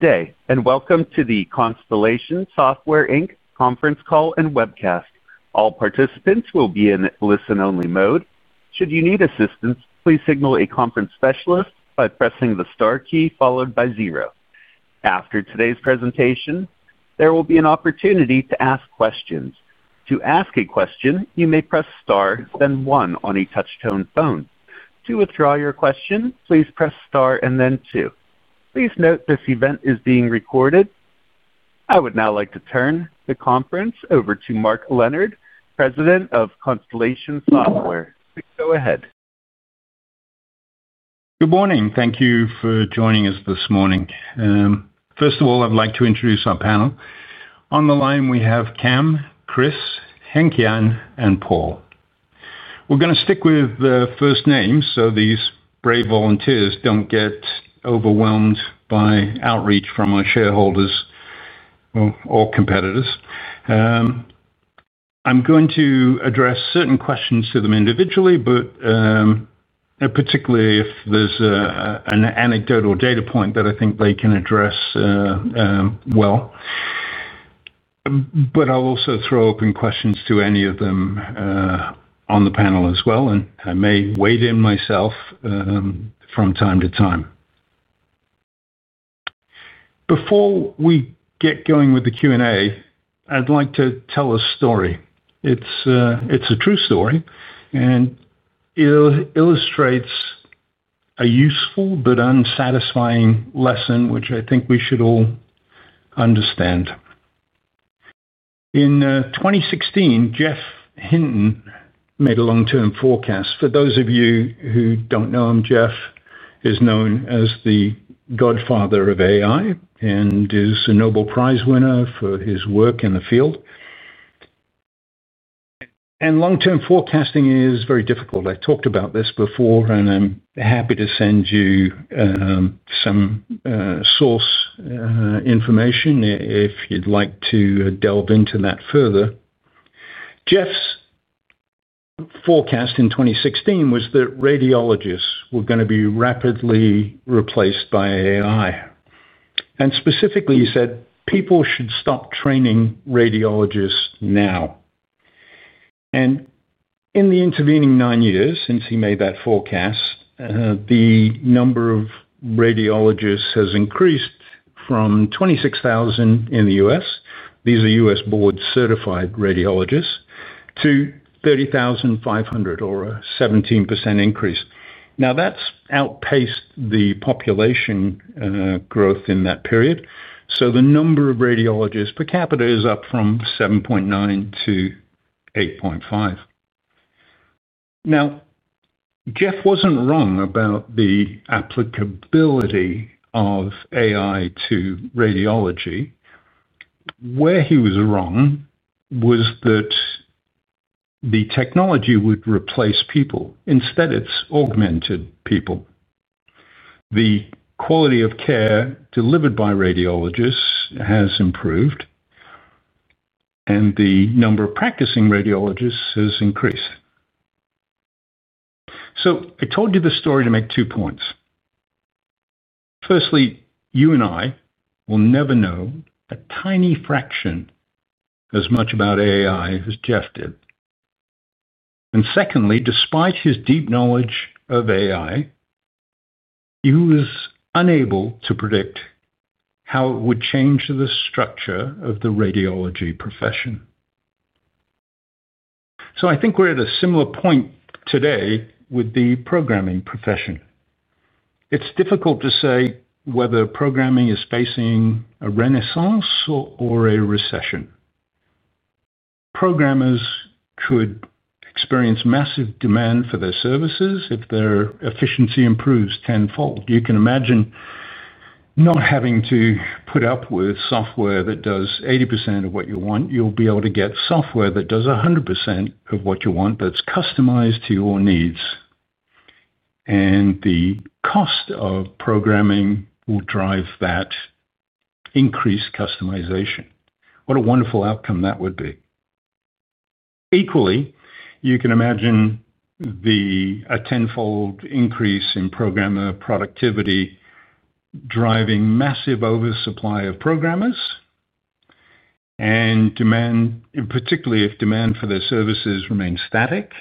Today, and welcome to the Constellation Software Inc. conference call and webcast. All participants will be in listen-only mode. Should you need assistance, please signal a conference specialist by pressing the star key followed by zero. After today's presentation, there will be an opportunity to ask questions. To ask a question, you may press star, then one on a touch-tone phone. To withdraw your question, please press star and then two. Please note this event is being recorded. I would now like to turn the conference over to Mark Leonard, President of Constellation Software Inc. Go ahead. Good morning. Thank you for joining us this morning. First of all, I'd like to introduce our panel. On the line, we have Cam, Chris, [Henk-Jan], and Paul. We're going to stick with the first names so these brave volunteers don't get overwhelmed by outreach from our shareholders or competitors. I'm going to address certain questions to them individually, particularly if there's an anecdote or data point that I think they can address well. I'll also throw open questions to any of them on the panel as well, and I may weigh in myself from time to time. Before we get going with the Q&A, I'd like to tell a story. It's a true story, and it illustrates a useful but unsatisfying lesson, which I think we should all understand. In 2016, Jeff Hinton made a long-term forecast. For those of you who don't know, Jeff is known as the godfather of AI and is a Nobel Prize winner for his work in the field. Long-term forecasting is very difficult. I talked about this before, and I'm happy to send you some source information if you'd like to delve into that further. Jeff's forecast in 2016 was that radiologists were going to be rapidly replaced by AI. Specifically, he said people should stop training radiologists now. In the intervening nine years since he made that forecast, the number of radiologists has increased from 26,000 in the U.S.—these are U.S. board-certified radiologists—to 30,500, or a 17% increase. That's outpaced the population growth in that period. The number of radiologists per capita is up from 7.9-8.5. Jeff wasn't wrong about the applicability of AI to radiology. Where he was wrong was that the technology would replace people. Instead, it's augmented people. The quality of care delivered by radiologists has improved, and the number of practicing radiologists has increased. I told you the story to make two points. Firstly, you and I will never know a tiny fraction as much about AI as Jeff did. Secondly, despite his deep knowledge of AI, he was unable to predict how it would change the structure of the radiology profession. I think we're at a similar point today with the programming profession. It's difficult to say whether programming is facing a renaissance or a recession. Programmers could experience massive demand for their services if their efficiency improves tenfold. You can imagine not having to put up with software that does 80% of what you want. You'll be able to get software that does 100% of what you want that's customized to your needs. The cost of programming will drive that increased customization. What a wonderful outcome that would be. Equally, you can imagine a tenfold increase in programmer productivity driving massive oversupply of programmers and demand, particularly if demand for their services remains static.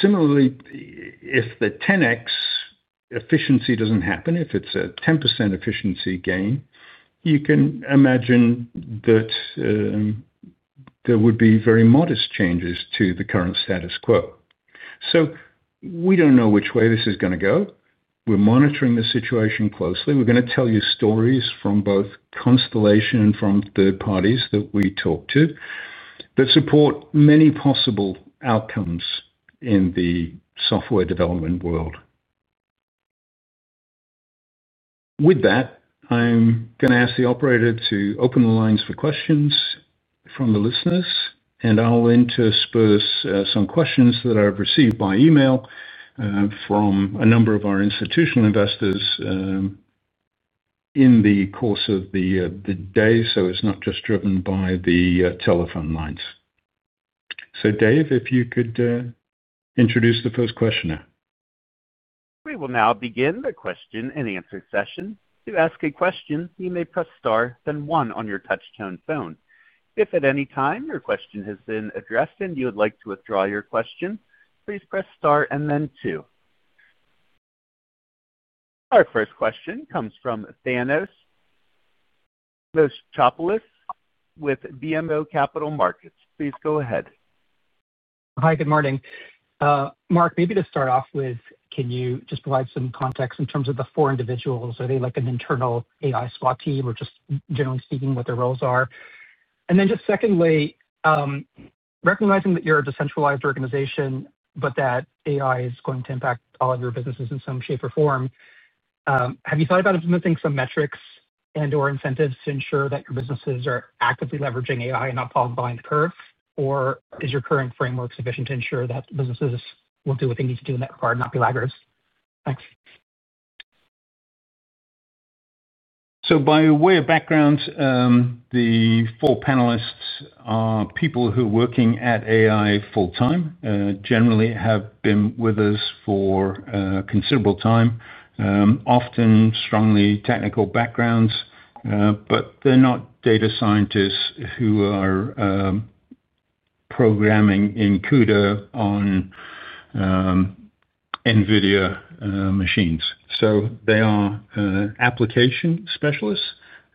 Similarly, if the 10x efficiency doesn't happen, if it's a 10% efficiency gain, you can imagine that there would be very modest changes to the current status quo. We don't know which way this is going to go. We're monitoring the situation closely. We're going to tell you stories from both Constellation and from third parties that we talk to that support many possible outcomes in the software development world. With that, I'm going to ask the operator to open the lines for questions from the listeners. I'll intersperse some questions that I've received by email from a number of our institutional investors in the course of the day. It's not just driven by the telephone lines. Dave, if you could introduce the first questioner. We will now begin the question and answer session. To ask a question, you may press star, then one on your touch-tone phone. If at any time your question has been addressed and you would like to withdraw your question, please press star and then two. Our first question comes from Thanos Moschopoulos with BMO Capital Markets. Please go ahead. Hi, good morning. Mark, maybe to start off with, can you just provide some context in terms of the four individuals? Are they like an internal AI SWAT team or just generally speaking what their roles are? Secondly, recognizing that you're a decentralized organization, but that AI is going to impact all of your businesses in some shape or form, have you thought about implementing some metrics and/or incentives to ensure that your businesses are actively leveraging AI and not falling behind the curve? Is your current framework sufficient to ensure that businesses will do what they need to do in that regard and not be laggers? Thanks. By way of background, the four panelists are people who are working at AI full-time, generally have been with us for considerable time, often strongly technical backgrounds, but they're not data scientists who are programming in CUDA on NVIDIA machines. They are application specialists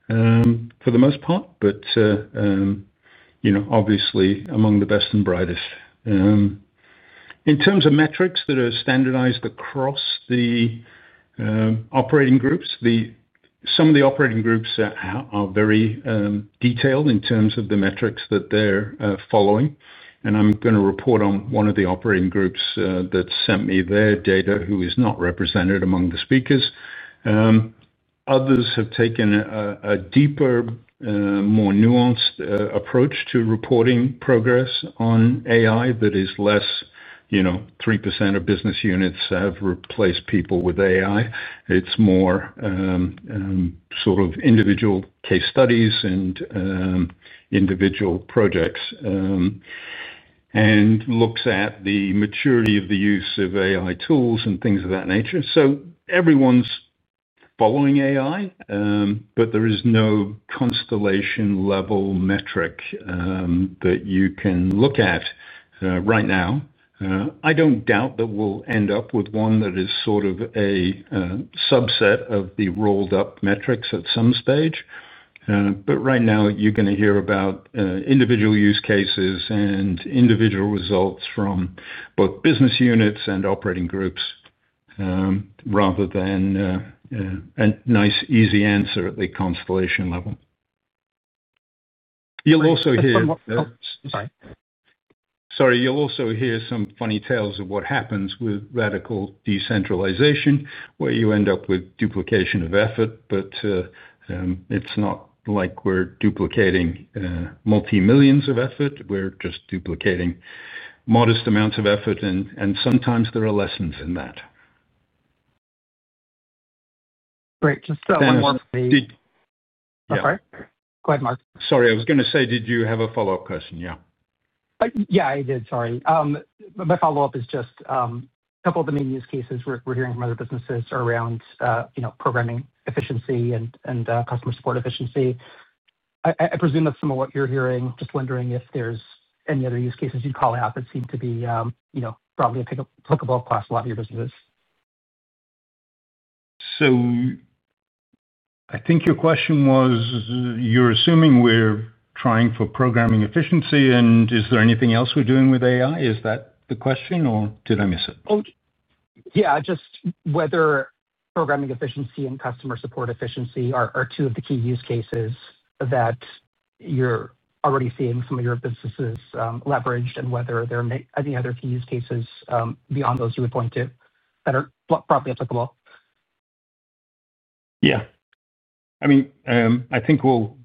for the most part, but you know obviously among the best and brightest. In terms of metrics that are standardized across the operating groups, some of the operating groups are very detailed in terms of the metrics that they're following. I'm going to report on one of the operating groups that sent me their data, who is not represented among the speakers. Others have taken a deeper, more nuanced approach to reporting progress on AI that is less, you know, 3% of business units have replaced people with AI. It's more sort of individual case studies and individual projects and looks at the maturity of the use of AI tools and things of that nature. Everyone's following AI, but there is no Constellation-level metric that you can look at right now. I don't doubt that we'll end up with one that is sort of a subset of the rolled-up metrics at some stage. Right now, you're going to hear about individual use cases and individual results from both business units and operating groups rather than a nice, easy answer at the Constellation level. You'll also hear... Sorry. You'll also hear some funny tales of what happens with radical decentralization, where you end up with duplication of effort. It's not like we're duplicating multimillions of effort. We're just duplicating modest amounts of effort, and sometimes there are lessons in that. Great. Just to... real innovation versus hype. Go ahead, Mark. Sorry, I was going to say, did you have a follow-up question? Yeah. Yeah, I did. Sorry. My follow-up is just a couple of the main use cases we're hearing from other businesses around programming efficiency and customer support efficiency. I presume that's some of what you're hearing. Just wondering if there's any other use cases you'd call out that seem to be broadly applicable across a lot of your businesses. I think your question was, you're assuming we're trying for programming efficiency. Is there anything else we're doing with AI? Is that the question, or did I miss it? Just whether programming efficiency and customer support efficiency are two of the key use cases that you're already seeing some of your businesses leverage and whether there are any other key use cases beyond those you would point to that are broadly applicable. Yeah, I mean, I think we'll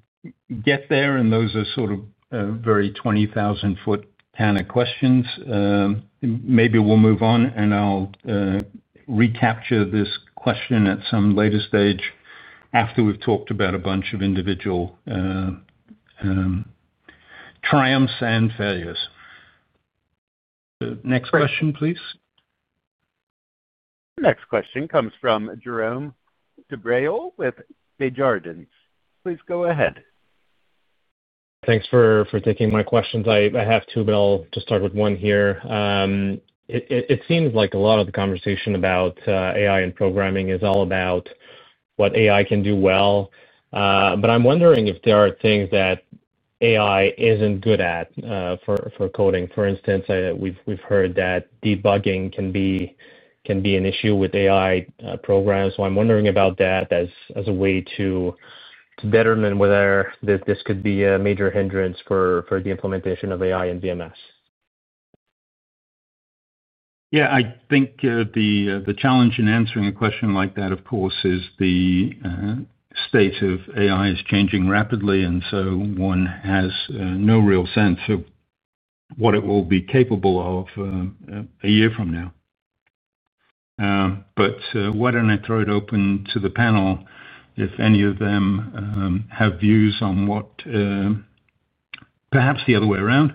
get there, and those are sort of very 20,000-foot pan of questions. Maybe we'll move on, and I'll recapture this question at some later stage after we've talked about a bunch of individual triumphs and failures. Next question, please. Next question comes from Jérome Dubreuil with Desjardins. Please go ahead. Thanks for taking my questions. I have two, but I'll just start with one here. It seems like a lot of the conversation about AI and programming is all about what AI can do well. I'm wondering if there are things that AI isn't good at for coding. For instance, we've heard that debugging can be an issue with AI programs. I'm wondering about that as a way to determine whether this could be a major hindrance for the implementation of AI in DMS. Yeah, I think the challenge in answering a question like that, of course, is the state of AI is changing rapidly, and so one has no real sense of what it will be capable of a year from now. Why don't I throw it open to the panel if any of them have views on what, perhaps the other way around,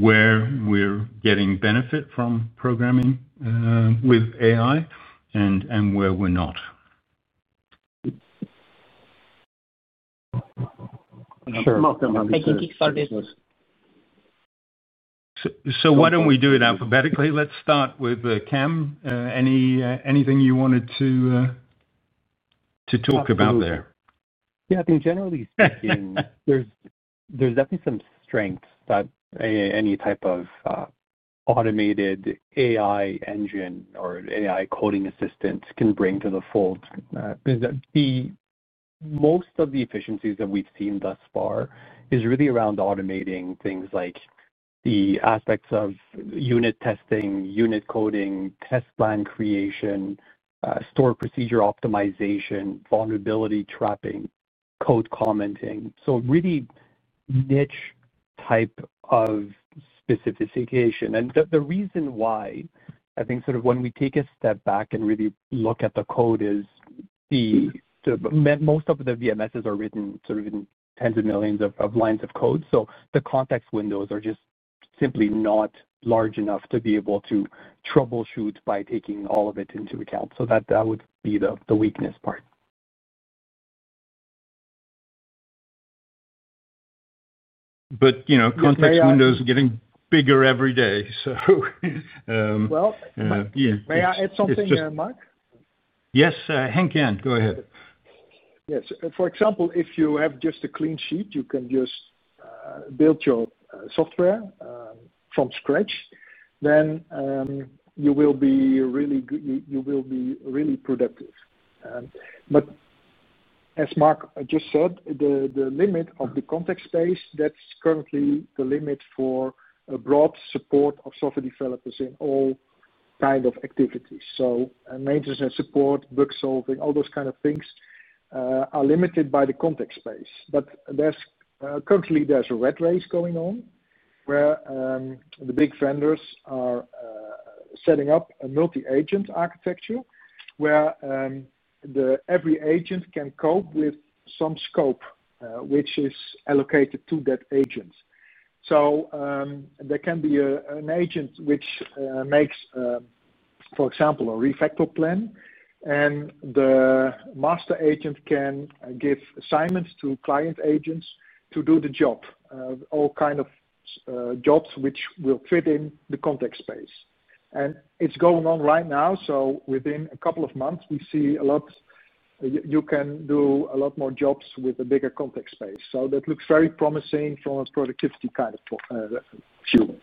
where we're getting benefit from programming with AI and where we're not. I think he started. Why don't we do it alphabetically? Let's start with Cam. Anything you wanted to talk about there? Yeah, I think generally speaking, there's definitely some strength that any type of automated AI engine or AI coding assistant can bring to the fore. Most of the efficiencies that we've seen thus far are really around automating things like the aspects of unit testing, unit coding, test plan creation, store procedure optimization, vulnerability trapping, code commenting. Really niche type of specification. The reason why, I think, when we take a step back and really look at the code is most of the DMSs are written in tens of millions of lines of code. The context window size is just simply not large enough to be able to troubleshoot by taking all of it into account. That would be the weakness part. You know context window size is getting bigger every day. May I add something, Mark? Yes, [Henk-Jan], go ahead. Yes. For example, if you have just a clean sheet, you can just build your software from scratch, then you will be really productive. As Mark just said, the limit of the context window size, that's currently the limit for a broad support of software developers in all kinds of activities. Maintenance and support, bug solving, all those kinds of things are limited by the context window size. Currently, there's a rat race going on where the big vendors are setting up a multi-agent architecture where every agent can code with some scope, which is allocated to that agent. There can be an agent which makes, for example, a refactor plan, and the master agent can give assignments to client agents to do the job, all kinds of jobs which will fit in the context window size. It's going on right now. Within a couple of months, we see a lot, you can do a lot more jobs with a bigger context window size. That looks very promising from a productivity kind of view.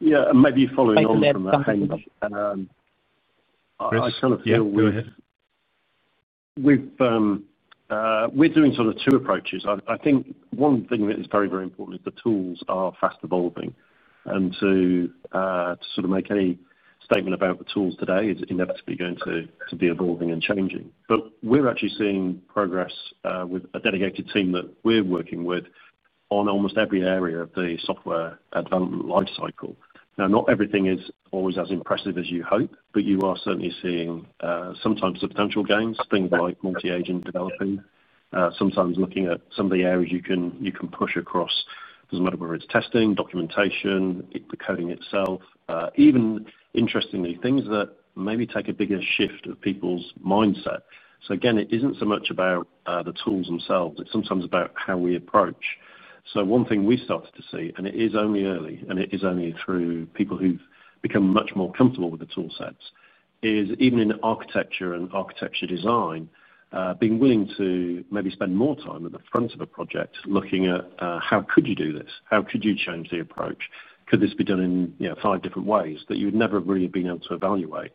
Yeah, maybe following on from that, Henk. I'll fill it. Yeah, go ahead. We're doing sort of two approaches. I think one thing that is very, very important is the tools are fast evolving. To sort of make any statement about the tool today is inevitably going to be evolving and changing. We're actually seeing progress with a dedicated team that we're working with on almost every area of the software development lifecycle. Not everything is always as impressive as you hope, but you are certainly seeing sometimes substantial gains, things like multi-agent developing, sometimes looking at some of the areas you can push across. It doesn't matter whether it's testing, documentation, the coding itself, even interestingly, things that maybe take a bigger shift of people's mindset. It isn't so much about the tools themselves. It's sometimes about how we approach. One thing we started to see, and it is only early, and it is only through people who've become much more comfortable with the tool sets, is even in architecture and architecture design, being willing to maybe spend more time at the front of a project looking at how could you do this? How could you change the approach? Could this be done in five different ways that you would never really have been able to evaluate?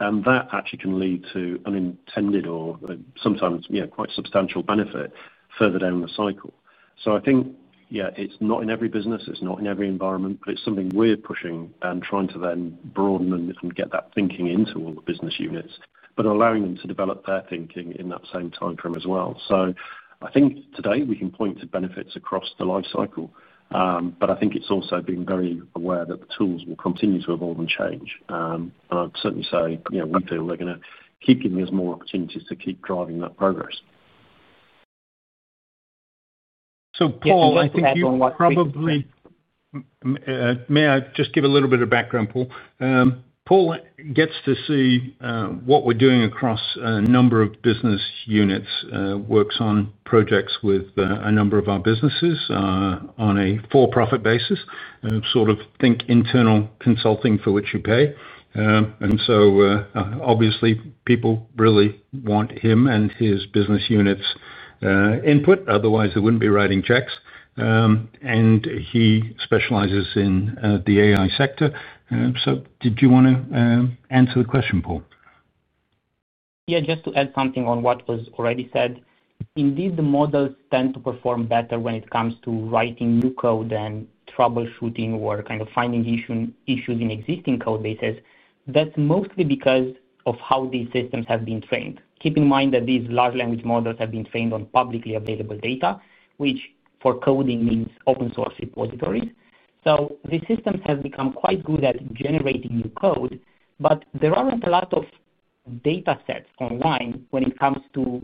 That actually can lead to an intended or sometimes quite substantial benefit further down the cycle. I think, yeah, it's not in every business. It's not in every environment, but it's something we're pushing and trying to then broaden and get that thinking into all the business units, but allowing them to develop their thinking in that same time frame as well. I think today we can point to benefits across the lifecycle. I think it's also being very aware that the tools will continue to evolve and change. I'd certainly say we feel they're going to keep giving us more opportunities to keep driving that progress. Paul, I think you probably... May I just give a little bit of background, Paul? Paul gets to see what we're doing across a number of business units, works on projects with a number of our businesses on a for-profit basis, sort of think internal consulting for which you pay. Obviously, people really want him and his business units' input. Otherwise, they wouldn't be writing checks. He specializes in the AI sector. Did you want to answer the question, Paul? Yeah, just to add something on what was already said. Indeed, the models tend to perform better when it comes to writing new code and troubleshooting or kind of finding issues in existing code bases. That's mostly because of how these systems have been trained. Keep in mind that these large language models have been trained on publicly available data, which for coding means open source repositories. These systems have become quite good at generating new code, but there aren't a lot of data sets online when it comes to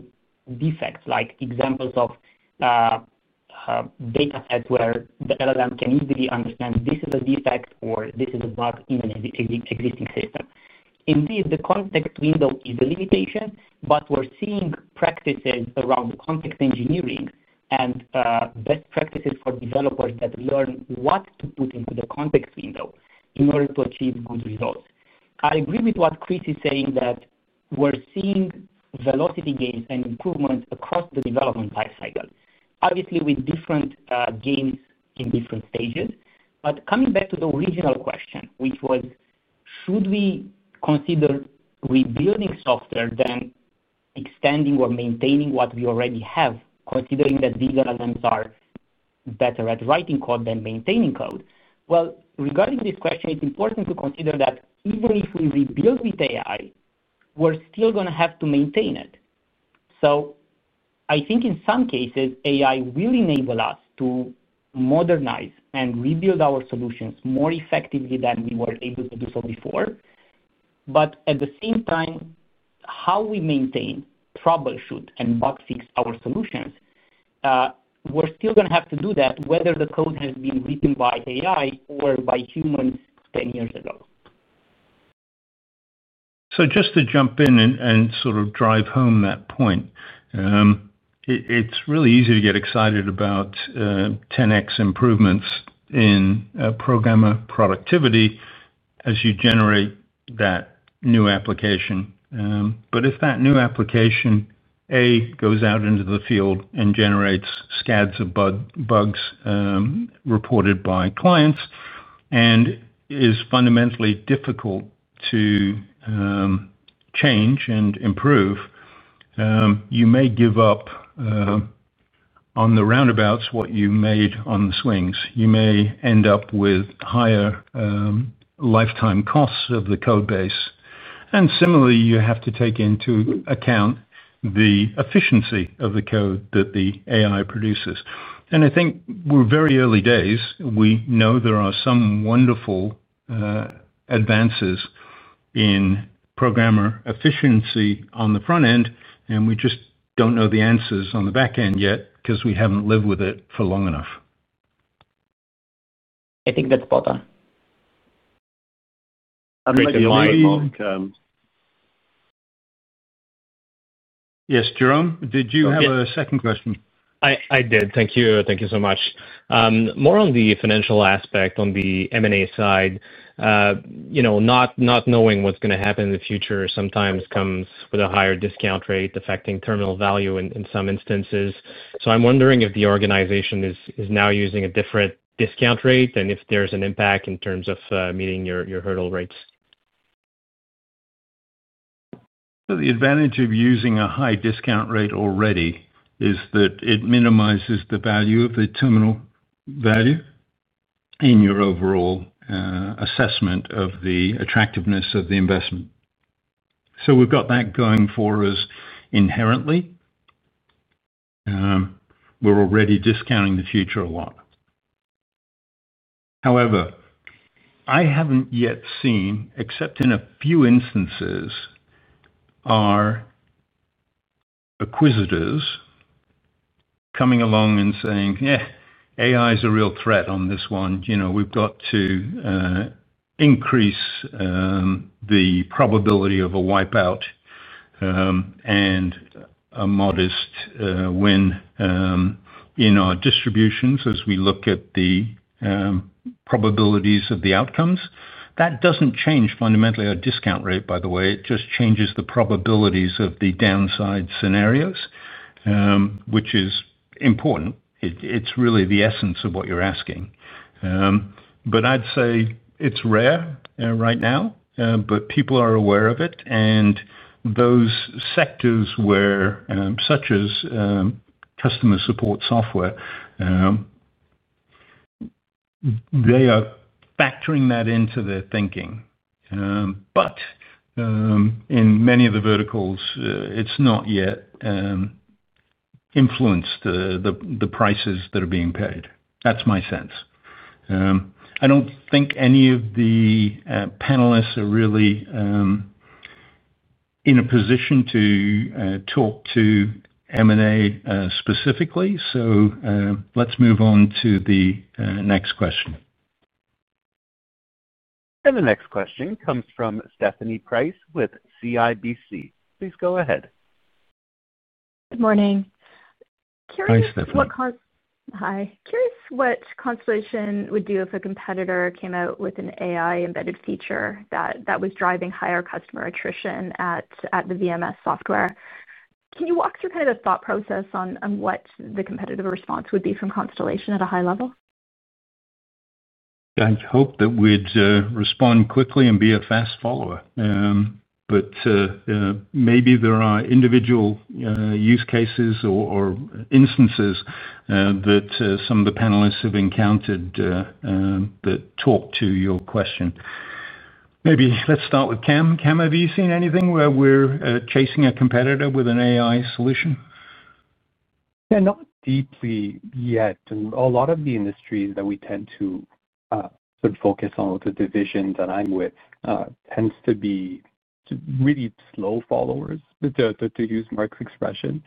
defects, like examples of data sets where the LLM can easily understand this is a defect or this is a bug in an existing system. Indeed, the context window is a limitation, but we're seeing practices around context engineering and best practices for developers that learn what to put into the context window in order to achieve good results. I agree with what Chris is saying that we're seeing velocity gains and improvements across the development lifecycle, obviously with different gains in different stages. Coming back to the original question, which was, should we consider rebuilding software than extending or maintaining what we already have, considering that these LLMs are better at writing code than maintaining code? Regarding this question, it's important to consider that even if we rebuild with AI, we're still going to have to maintain it. I think in some cases, AI will enable us to modernize and rebuild our solutions more effectively than we were able to do so before. At the same time, how we maintain, troubleshoot, and bug fix our solutions, we're still going to have to do that whether the code has been written by AI or by humans 10 years ago. To jump in and sort of drive home that point, it's really easy to get excited about 10x improvements in programmer productivity as you generate that new application. If that new application goes out into the field and generates scads of bugs reported by clients and is fundamentally difficult to change and improve, you may give up on the roundabouts what you made on the swings. You may end up with higher lifetime costs of the code base. Similarly, you have to take into account the efficiency of the code that the AI produces. I think we're very early days. We know there are some wonderful advances in programmer efficiency on the front end, and we just don't know the answers on the back end yet because we haven't lived with it for long enough. I think that's important. I'd like to add, Mark. Yes, Jérome, did you have a second question? I did. Thank you. Thank you so much. More on the financial aspect on the M&A side. You know, not knowing what's going to happen in the future sometimes comes with a higher discount rate, affecting terminal value in some instances. I'm wondering if the organization is now using a different discount rate and if there's an impact in terms of meeting your hurdle rates. The advantage of using a high discount rate already is that it minimizes the value of the terminal value in your overall assessment of the attractiveness of the investment. We've got that going for us inherently. We're already discounting the future a lot. However, I haven't yet seen, except in a few instances, acquisitors coming along and saying, "Yeah, AI is a real threat on this one. You know, we've got to increase the probability of a wipeout and a modest win in our distributions as we look at the probabilities of the outcomes." That doesn't change fundamentally our discount rate, by the way. It just changes the probabilities of the downside scenarios, which is important. It's really the essence of what you're asking. I'd say it's rare right now, but people are aware of it. In those sectors such as customer support software, they are factoring that into their thinking. In many of the verticals, it's not yet influenced the prices that are being paid. That's my sense. I don't think any of the panelists are really in a position to talk to M&A specifically. Let's move on to the next question. The next question comes from Stephanie Price with CIBC. Please go ahead. Good morning. Hi, Stephanie. Hi. Curious what Constellation would do if a competitor came out with an AI-embedded feature that was driving higher customer attrition at the vertical market software. Can you walk through kind of the thought process on what the competitive response would be from Constellation at a high level? I'd hope that we'd respond quickly and be a fast follower. Maybe there are individual use cases or instances that some of the panelists have encountered that talk to your question. Maybe let's start with Cam. Cam, have you seen anything where we're chasing a competitor with an AI solution? Yeah, not deeply yet. A lot of the industries that we tend to sort of focus on with the division that I'm with tend to be really slow followers. To use Mark's expression,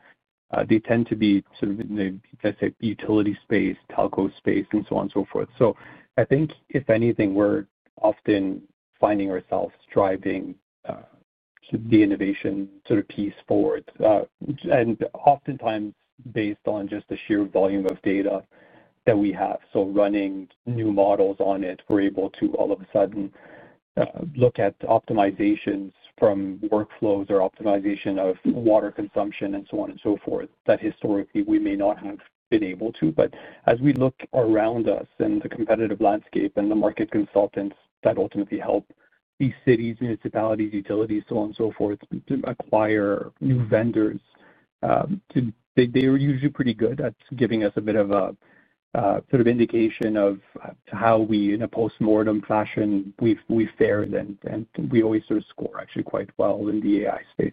they tend to be sort of in the utility space, telco space, and so on and so forth. I think if anything, we're often finding ourselves driving the innovation sort of piece forward. Oftentimes, based on just the sheer volume of data that we have, running new models on it, we're able to all of a sudden look at optimizations from workflows or optimization of water consumption and so on and so forth that historically we may not have been able to. As we look around us in the competitive landscape and the market consultants that ultimately help these cities, municipalities, utilities, so on and so forth, to acquire new vendors, they are usually pretty good at giving us a bit of a sort of indication of how we, in a post-mortem fashion, fared and we always sort of score actually quite well in the AI space.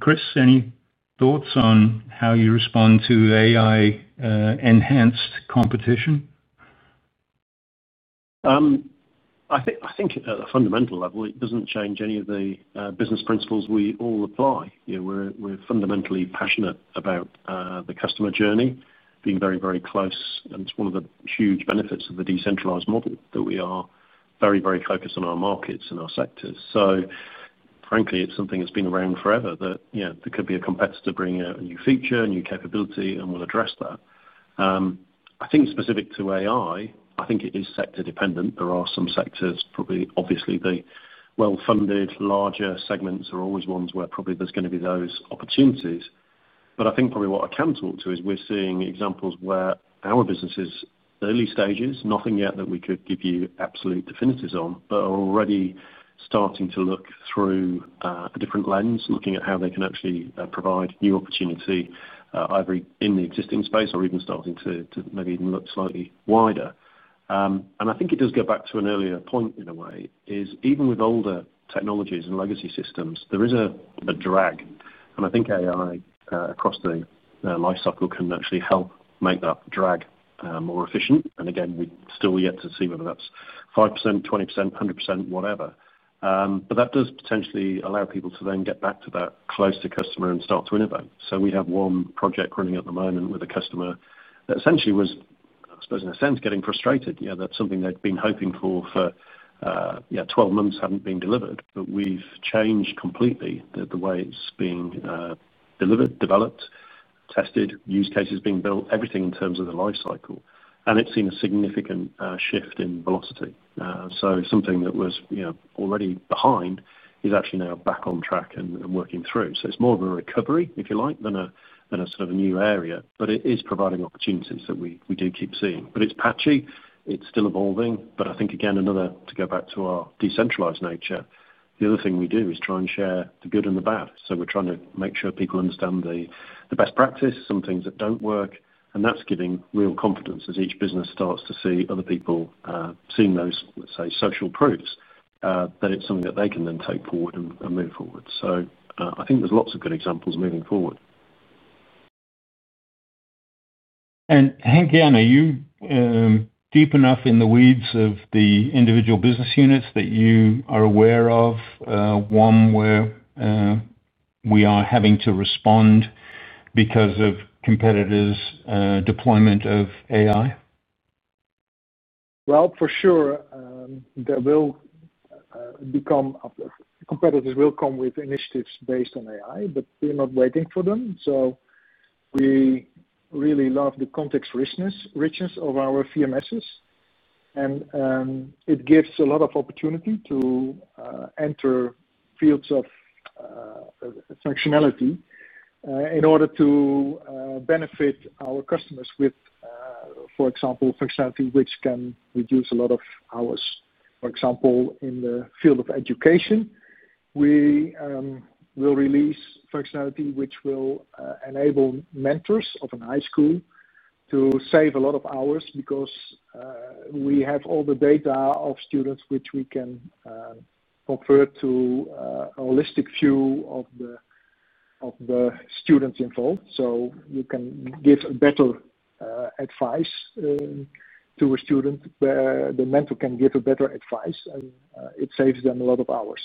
Chris, any thoughts on how you respond to AI-enhanced competition? I think at a fundamental level, it doesn't change any of the business principles we all apply. We're fundamentally passionate about the customer journey being very, very close. It's one of the huge benefits of the decentralized model that we are very, very focused on our markets and our sectors. Frankly, it's something that's been around forever that, yeah, there could be a competitor bringing out a new feature, a new capability, and we'll address that. I think specific to AI, I think it is sector-dependent. There are some sectors, probably obviously the well-funded larger segments are always ones where probably there's going to be those opportunities. I think probably what I can talk to is we're seeing examples where our businesses, early stages, nothing yet that we could give you absolute definitions on, but are already starting to look through a different lens, looking at how they can actually provide new opportunity either in the existing space or even starting to maybe even look slightly wider. I think it does go back to an earlier point in a way is even with older technologies and legacy systems, there is a drag. I think AI across the lifecycle can actually help make that drag more efficient. We're still yet to see whether that's 5%, 20%, 100%, whatever. That does potentially allow people to then get back to that close to customer and start to innovate. We have one project running at the moment with a customer that essentially was, I suppose in a sense, getting frustrated. That's something they'd been hoping for for 12 months hadn't been delivered. We've changed completely the way it's being delivered, developed, tested, use cases being built, everything in terms of the lifecycle. It's seen a significant shift in velocity. Something that was already behind is actually now back on track and working through. It's more of a recovery, if you like, than a sort of a new area. It is providing opportunities that we do keep seeing. It's patchy. It's still evolving. I think, again, another to go back to our decentralized nature, the other thing we do is try and share the good and the bad. We're trying to make sure people understand the best practice, some things that don't work. That's giving real confidence as each business starts to see other people seeing those, let's say, social proofs that it's something that they can then take forward and move forward. I think there's lots of good examples moving forward. [Henk-Jan], are you deep enough in the weeds of the individual business units that you are aware of one where we are having to respond because of competitors' deployment of AI? There will become competitors who will come with initiatives based on AI, but we're not waiting for them. We really love the context richness of our VMSs, and it gives a lot of opportunity to enter fields of functionality in order to benefit our customers with, for example, functionality which can reduce a lot of hours. For example, in the field of education, we will release functionality which will enable mentors of a high school to save a lot of hours because we have all the data of students which we can convert to a holistic view of the students involved. You can give a better advice to a student where the mentor can give a better advice, and it saves them a lot of hours.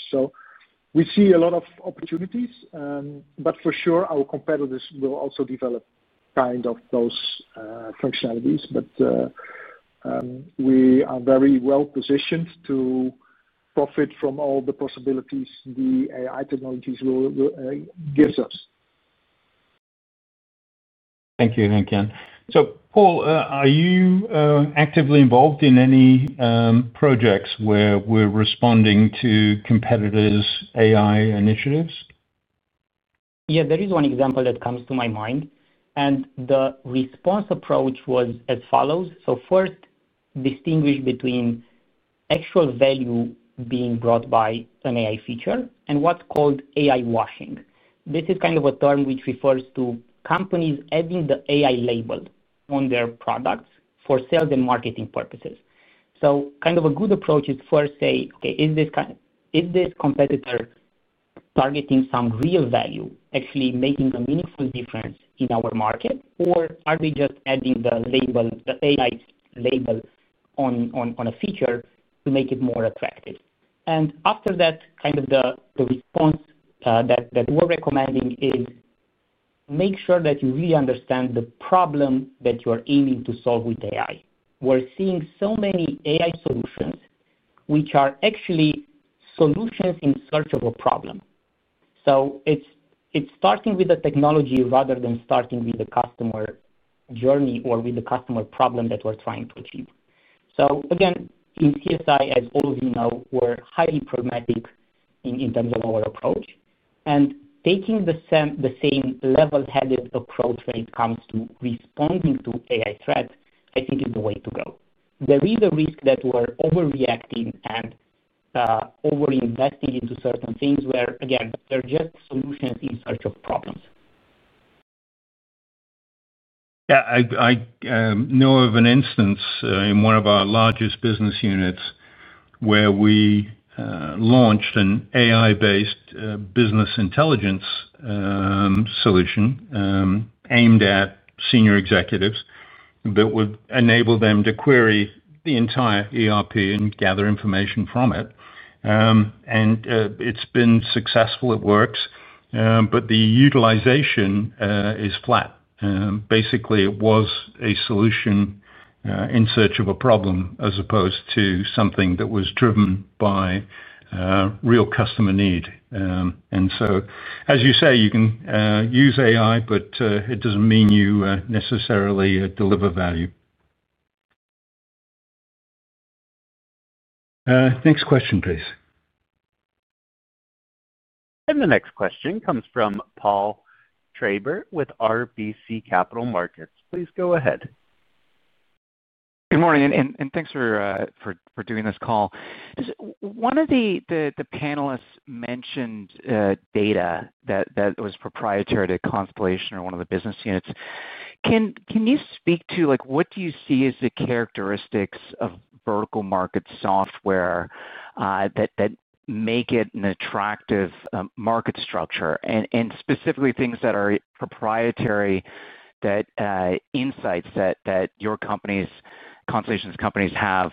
We see a lot of opportunities. Our competitors will also develop kind of those functionalities, but we are very well positioned to profit from all the possibilities the AI technologies will give us. Thank you, [Henk-Jan]. Paul, are you actively involved in any projects where we're responding to competitors' AI initiatives? Yeah, there is one example that comes to my mind. The response approach was as follows. First, distinguish between actual value being brought by an AI feature and what's called AI-washing. This is a term which refers to companies adding the AI label on their products for sales and marketing purposes. A good approach is first to say, okay, is this competitor targeting some real value, actually making a meaningful difference in our market, or are they just adding the AI label on a feature to make it more attractive? After that, the response that we're recommending is make sure that you really understand the problem that you're aiming to solve with AI. We're seeing so many AI solutions which are actually solutions in search of a problem. It's starting with the technology rather than starting with the customer journey or with the customer problem that we're trying to achieve. In CSI, as all of you know, we're highly pragmatic in terms of our approach. Taking the same level-headed approach when it comes to responding to AI threats, I think, is the way to go. There is a risk that we're overreacting and overinvesting into certain things where, again, they're just solutions in search of problems. I know of an instance in one of our largest business units where we launched an AI-based business intelligence solution aimed at senior executives that would enable them to query the entire ERP and gather information from it. It's been successful. It works, but the utilization is flat. Basically, it was a solution in search of a problem as opposed to something that was driven by real customer need. As you say, you can use AI, but it doesn't mean you necessarily deliver value. Next question, please. The next question comes from Paul Treiber with RBC Capital Markets. Please go ahead. Good morning, and thanks for doing this call. One of the panelists mentioned data that was proprietary to Constellation or one of the business units. Can you speak to what you see as the characteristics of vertical market software that make it an attractive market structure? Specifically, things that are proprietary insights that your companies, Constellation's companies, have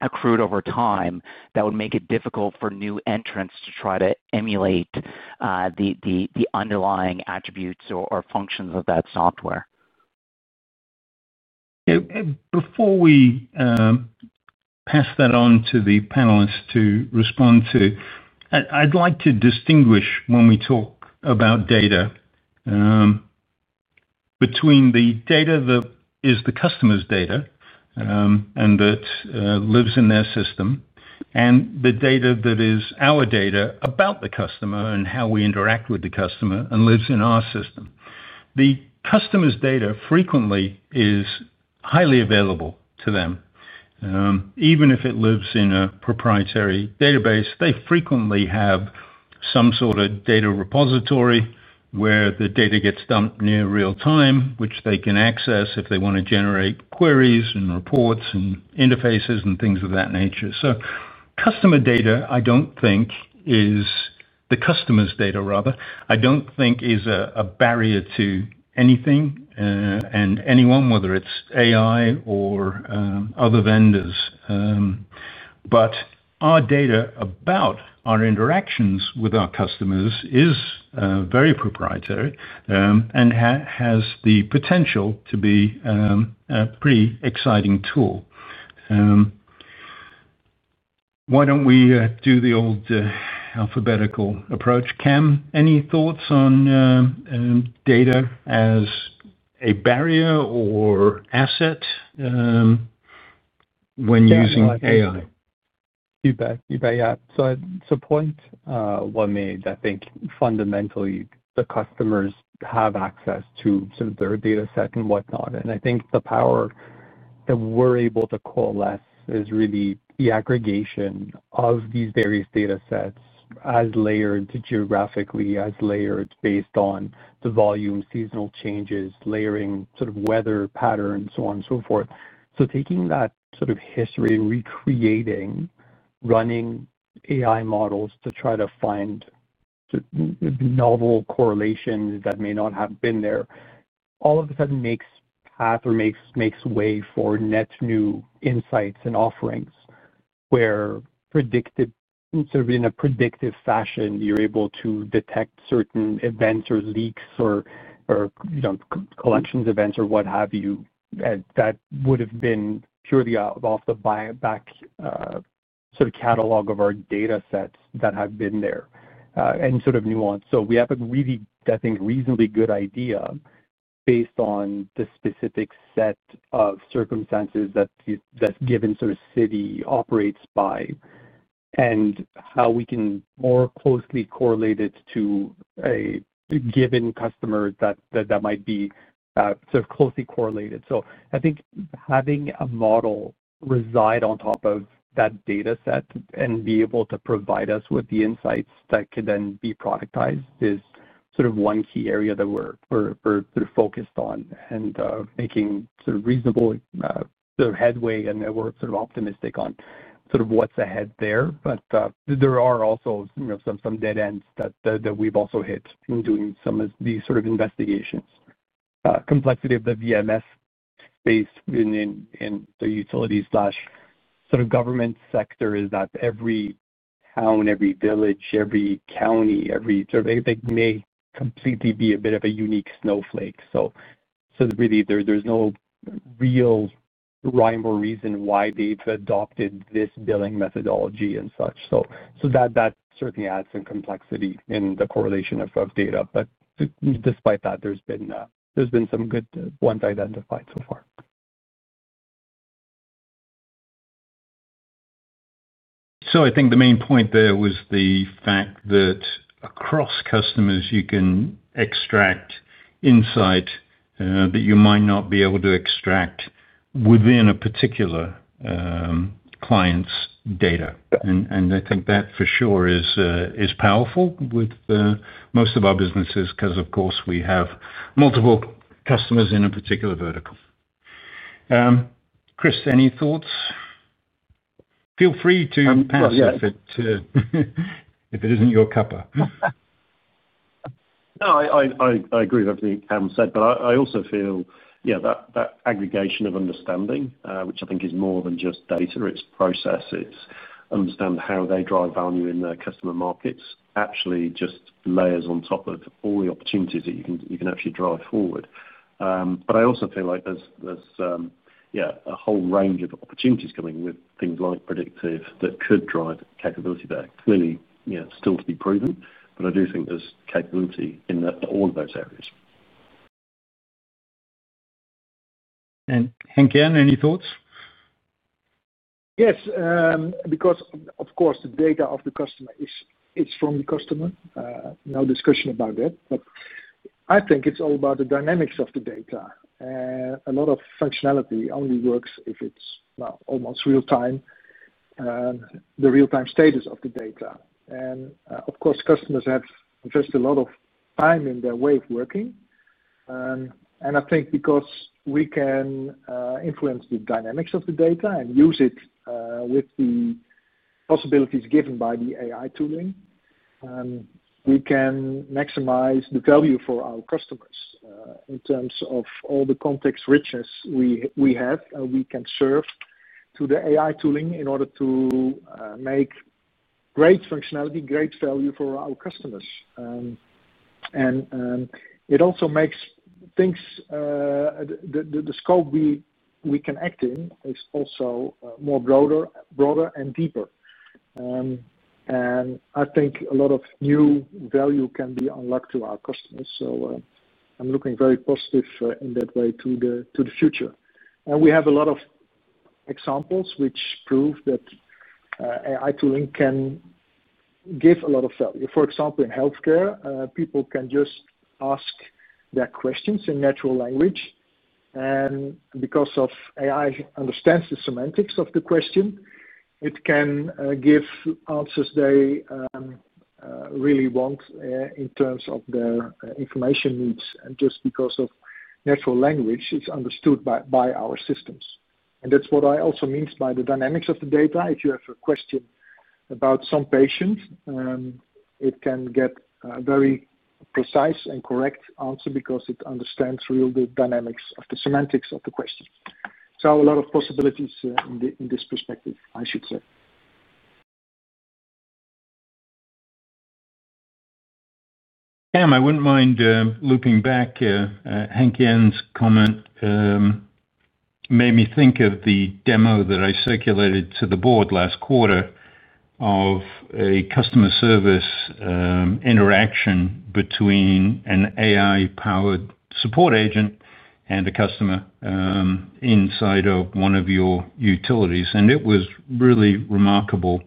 accrued over time that would make it difficult for new entrants to try to emulate the underlying attributes or functions of that software. Before we pass that on to the panelists to respond to, I'd like to distinguish when we talk about data between the data that is the customer's data and that lives in their system and the data that is our data about the customer and how we interact with the customer and lives in our system. The customer's data frequently is highly available to them. Even if it lives in a proprietary database, they frequently have some sort of data repository where the data gets dumped near real time, which they can access if they want to generate queries and reports and interfaces and things of that nature. Customer data, I don't think is a barrier to anything and anyone, whether it's AI or other vendors. Our data about our interactions with our customers is very proprietary and has the potential to be a pretty exciting tool. Why don't we do the old alphabetical approach? Cam, any thoughts on data as a barrier or asset when using AI? Feedback. Feedback. Yeah. It's a point one made. I think fundamentally, the customers have access to some of their data set and whatnot. I think the power that we're able to call that is really the aggregation of these various data sets as layered geographically, as layered based on the volume, seasonal changes, layering sort of weather patterns, so on and so forth. Taking that sort of history, recreating, running AI models to try to find novel correlations that may not have been there, all of a sudden makes path or makes way for net new insights and offerings where, sort of in a predictive fashion, you're able to detect certain events or leaks or collections events or what have you that would have been purely off the back sort of catalog of our data sets that have been there and sort of nuanced. We have a really, I think, reasonably good idea based on the specific set of circumstances that that given sort of city operates by and how we can more closely correlate it to a given customer that that might be sort of closely correlated. I think having a model reside on top of that data set and be able to provide us with the insights that could then be productized is sort of one key area that we're sort of focused on and making sort of reasonable sort of headway. We're sort of optimistic on sort of what's ahead there. There are also some dead ends that we've also hit in doing some of these sort of investigations. Complexity of the vertical market software space in the utility slash sort of government sector is that every town, every village, every county, every sort of thing may completely be a bit of a unique snowflake. There is no real rhyme or reason why they've adopted this billing methodology and such. That certainly adds some complexity in the correlation of data. Despite that, there's been some good ones identified so far. I think the main point there was the fact that across customers, you can extract insight that you might not be able to extract within a particular client's data. I think that for sure is powerful with most of our businesses because, of course, we have multiple customers in a particular vertical. Chris, any thoughts? Feel free to pass if it isn't your cuppa. I agree with everything Cam said. I also feel that aggregation of understanding, which I think is more than just data, it's processes. Understanding how they drive value in their customer markets actually just layers on top of all the opportunities that you can actually drive forward. I also feel like there's a whole range of opportunities coming with things like predictive that could drive capability there. Clearly, still to be proven. I do think there's capability in all of those areas. [Henk-Jan], any thoughts? Yes, because, of course, the data of the customer is from the customer. No discussion about that. I think it's all about the dynamics of the data. A lot of functionality only works if it's almost real time, the real-time status of the data. Of course, customers have invested a lot of time in their way of working. I think because we can influence the dynamics of the data and use it with the possibilities given by the AI tooling, we can maximize the value for our customers in terms of all the context richness we have and we can serve through the AI tooling in order to make great functionality, great value for our customers. It also makes things—the scope we can act in is also more broader and deeper. I think a lot of new value can be unlocked to our customers. I'm looking very positive in that way to the future. We have a lot of examples which prove that AI tooling can give a lot of value. For example, in healthcare, people can just ask their questions in natural language. Because AI understands the semantics of the question, it can give answers they really want in terms of their information needs. Just because of natural language, it's understood by our systems. That's what I also mean by the dynamics of the data. If you have a question about some patient, it can get a very precise and correct answer because it understands really the dynamics of the semantics of the question. A lot of possibilities in this perspective, I should say. Cam, I wouldn't mind looping back. [Henk-Jan]'s comment made me think of the demo that I circulated to the board last quarter of a customer service interaction between an AI-powered support agent and a customer inside of one of your utilities. It was really remarkable,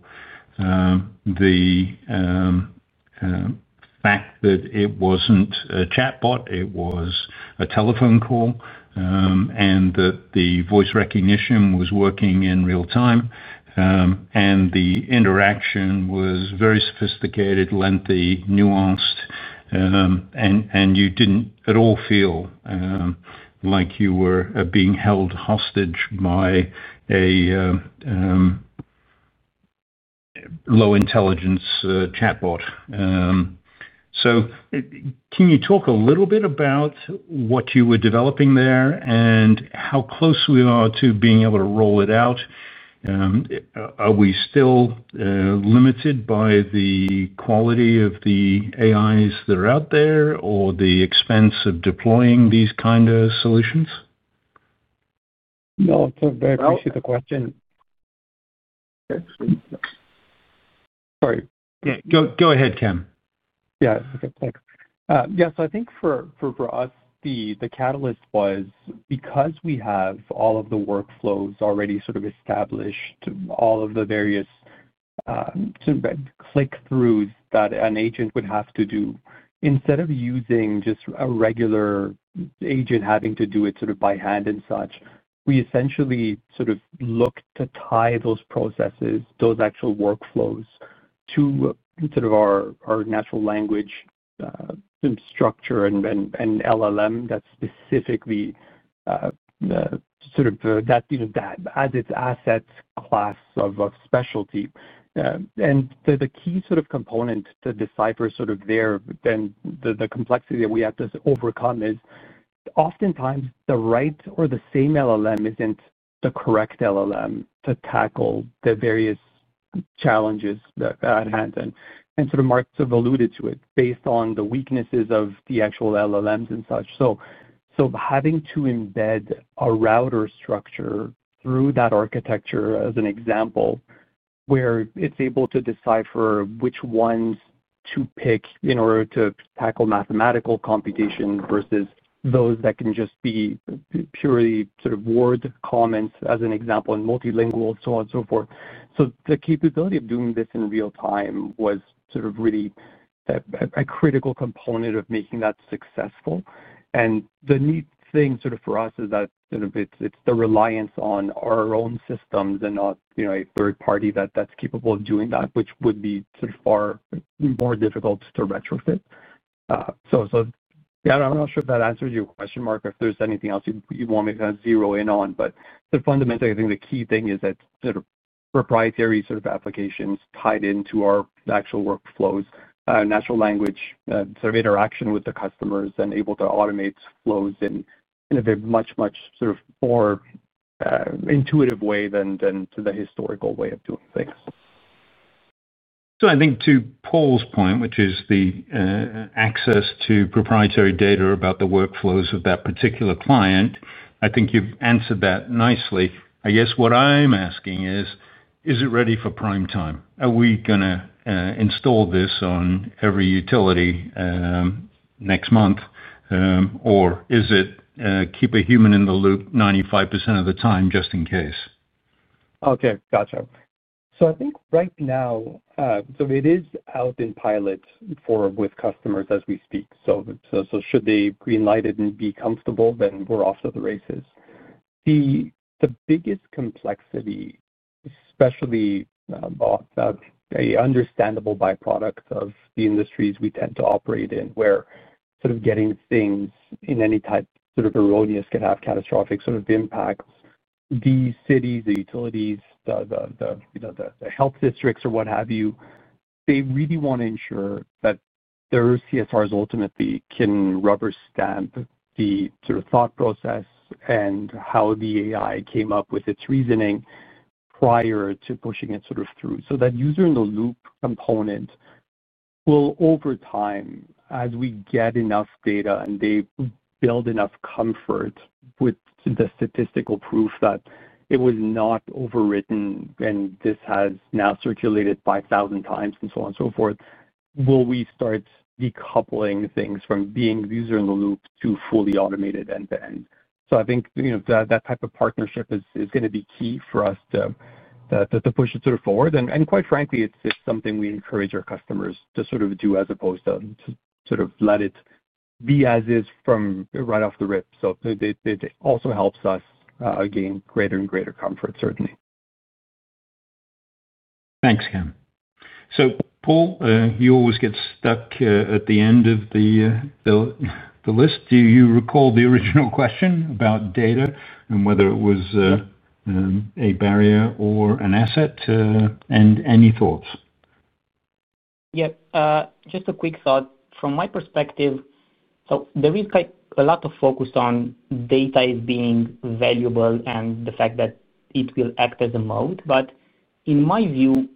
the fact that it wasn't a chatbot, it was a telephone call, and that the voice recognition was working in real time. The interaction was very sophisticated, lengthy, nuanced, and you didn't at all feel like you were being held hostage by a low-intelligence chatbot. Can you talk a little bit about what you were developing there and how close we are to being able to roll it out? Are we still limited by the quality of the AIs that are out there or the expense of deploying these kind of solutions? No, I think very clear to the question. Sorry. Go ahead, Cam. Yeah. Okay. Thanks. Yeah. I think for us, the catalyst was because we have all of the workflows already sort of established, all of the various click-throughs that an agent would have to do. Instead of using just a regular agent having to do it by hand and such, we essentially looked to tie those processes, those actual workflows to our natural language structure and LLM that's specifically that as its asset class of specialty. The key component to decipher there, then the complexity that we have to overcome is oftentimes the right or the same LLM isn't the correct LLM to tackle the various challenges at hand. Mark alluded to it based on the weaknesses of the actual LLMs and such. Having to embed a router structure through that architecture as an example where it's able to decipher which ones to pick in order to tackle mathematical computation versus those that can just be purely word comments as an example and multilingual, and so on and so forth. The capability of doing this in real time was really a critical component of making that successful. The neat thing for us is that it's the reliance on our own systems and not a third party that's capable of doing that, which would be far more difficult to retrofit. I'm not sure if that answers your question, Mark, or if there's anything else you want me to kind of zero in on. Fundamentally, I think the key thing is that proprietary applications tied into our actual workflows, natural language interaction with the customers, and able to automate flows in a much, much more intuitive way than the historical way of doing things. I think to Paul's point, which is the access to proprietary data about the workflows of that particular client, I think you've answered that nicely. I guess what I'm asking is, is it ready for prime time? Are we going to install this on every utility next month, or is it keep a human in the loop 95% of the time just in case? Okay. Gotcha. I think right now, it is out in pilot with customers as we speak. Should they greenlight it and be comfortable, then we're off to the races. The biggest complexity, especially about the understandable byproduct of the industries we tend to operate in, where getting things in any type sort of erroneous can have catastrophic impacts, the cities, the utilities, the health districts, or what have you, they really want to ensure that their CSRs ultimately can rubber stamp the thought process and how the AI came up with its reasoning prior to pushing it through. That user-in-the-loop component will, over time, as we get enough data and they build enough comfort with the statistical proof that it was not overwritten and this has now circulated 5,000 times and so on and so forth, will we start decoupling things from being user-in-the-loop to fully automated end-to-end? I think that type of partnership is going to be key for us to push it forward. Quite frankly, it's something we encourage our customers to do as opposed to let it be as is from right off the rip. It also helps us gain greater and greater comfort, certainly. Thanks, Cam. Paul, you always get stuck at the end of the list. Do you recall the original question about data and whether it was a barrier or an asset? Any thoughts? Yep. Just a quick thought. From my perspective, there is a lot of focus on data as being valuable and the fact that it will act as a moat. In my view,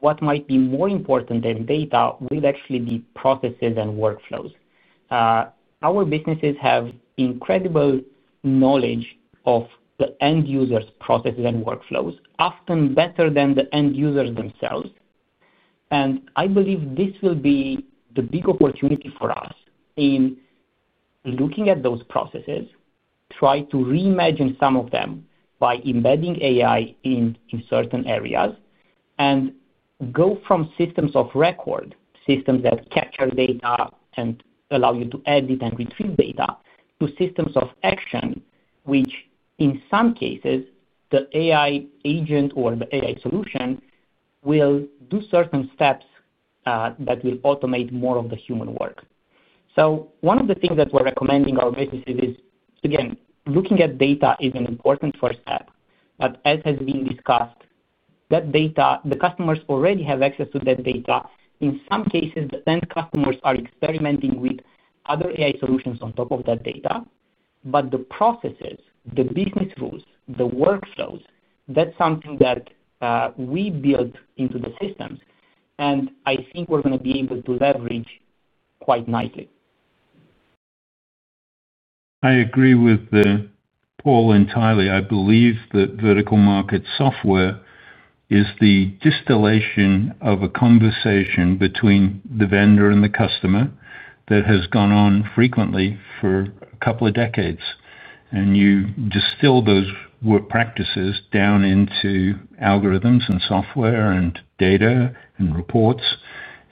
what might be more important than data will actually be processes and workflows. Our businesses have incredible knowledge of the end users' processes and workflows, often better than the end users themselves. I believe this will be the big opportunity for us in looking at those processes, trying to reimagine some of them by embedding AI in certain areas and going from systems of record, systems that capture data and allow you to edit and retrieve data, to systems of action, which in some cases, the AI agent or the AI solution will do certain steps that will automate more of the human work. One of the things that we're recommending our businesses is, again, looking at data is an important first step. As has been discussed, the customers already have access to that data. In some cases, the end customers are experimenting with other AI solutions on top of that data. The processes, the business rules, the workflows, that's something that we build into the system. I think we're going to be able to leverage quite nicely there. I agree with Paul entirely. I believe that vertical market software is the distillation of a conversation between the vendor and the customer that has gone on frequently for a couple of decades. You distill those work practices down into algorithms and software and data and reports.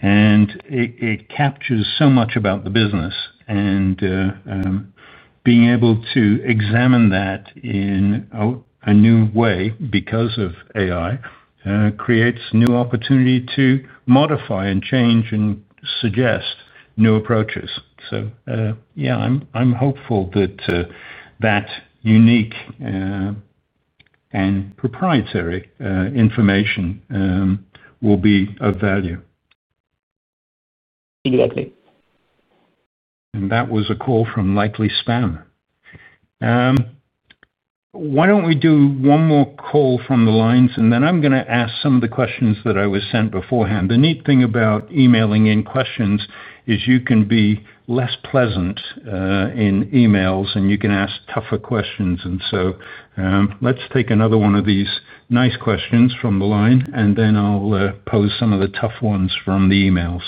It captures so much about the business. Being able to examine that in a new way because of AI creates a new opportunity to modify and change and suggest new approaches. I'm hopeful that that unique and proprietary information will be of value. Exactly. That was a call from likely spam. Why don't we do one more call from the lines? I'm going to ask some of the questions that I was sent beforehand. The neat thing about emailing in questions is you can be less pleasant in emails and you can ask tougher questions. Let's take another one of these nice questions from the line, and then I'll pose some of the tough ones from the emails.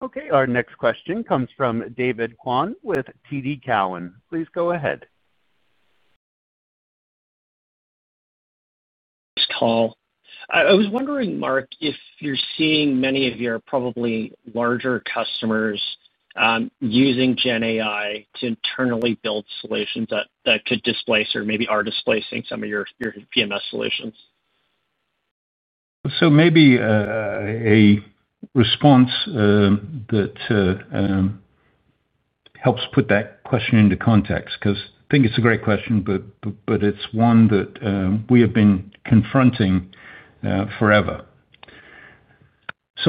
Okay. Our next question comes from David Kwan with TD Cowen. Please go ahead. It's Paul. I was wondering, Mark, if you're seeing many of your probably larger customers using GenAI to internally build solutions that could displace or maybe are displacing some of your PMS solutions. Maybe a response that helps put that question into context because I think it's a great question, but it's one that we have been confronting forever.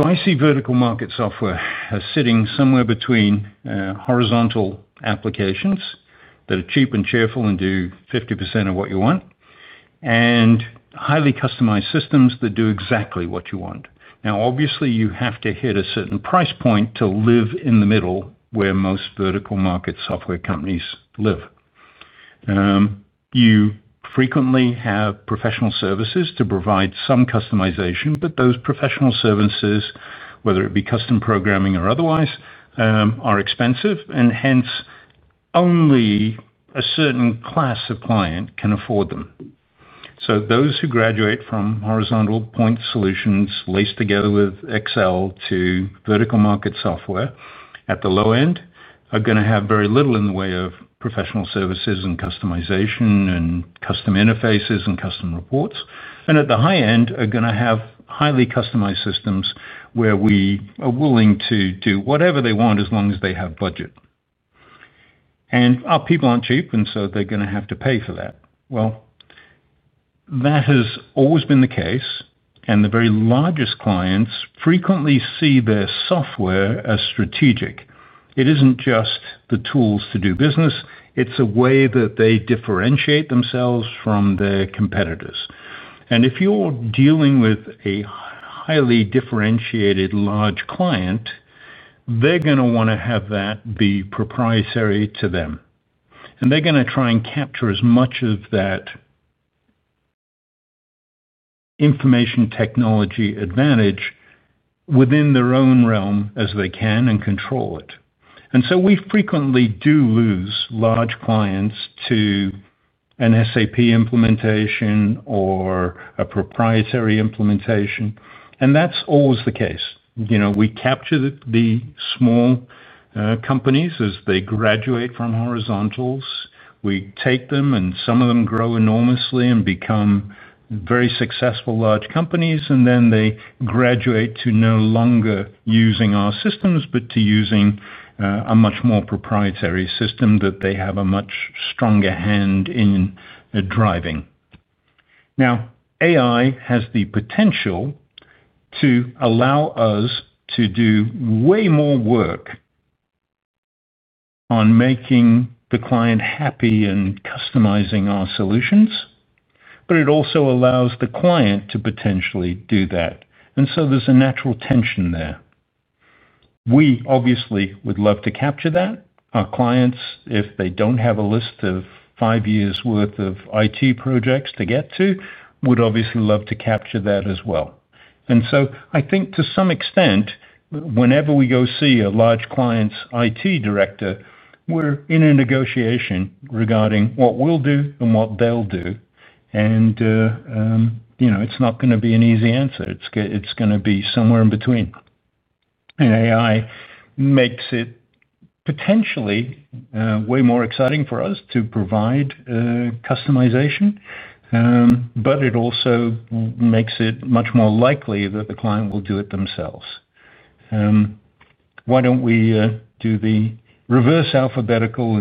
I see vertical market software as sitting somewhere between horizontal applications that are cheap and cheerful and do 50% of what you want and highly customized systems that do exactly what you want. Obviously, you have to hit a certain price point to live in the middle where most vertical market software companies live. You frequently have professional services to provide some customization, but those professional services, whether it be custom programming or otherwise, are expensive, and only a certain class of client can afford them. Those who graduate from horizontal point solutions laced together with Excel to vertical market software at the low end are going to have very little in the way of professional services and customization and custom interfaces and custom reports. At the high end, they're going to have highly customized systems where we are willing to do whatever they want as long as they have budget. Our people aren't cheap, and they're going to have to pay for that. That has always been the case, and the very largest clients frequently see their software as strategic. It isn't just the tools to do business. It's a way that they differentiate themselves from their competitors. If you're dealing with a highly differentiated large client, they're going to want to have that be proprietary to them. They're going to try and capture as much of that information technology advantage within their own realm as they can and control it. We frequently do lose large clients to an SAP implementation or a proprietary implementation, and that's always the case. We capture the small companies as they graduate from horizontals. We take them, and some of them grow enormously and become very successful large companies. They graduate to no longer using our systems, but to using a much more proprietary system that they have a much stronger hand in driving. AI has the potential to allow us to do way more work on making the client happy and customizing our solutions, but it also allows the client to potentially do that. There's a natural tension there. We obviously would love to capture that. Our clients, if they don't have a list of five years' worth of IT projects to get to, would obviously love to capture that as well. I think to some extent, whenever we go see a large client's IT Director, we're in a negotiation regarding what we'll do and what they'll do. It's not going to be an easy answer. It's going to be somewhere in between. AI makes it potentially way more exciting for us to provide customization, but it also makes it much more likely that the client will do it themselves. Why don't we do the reverse alphabetical?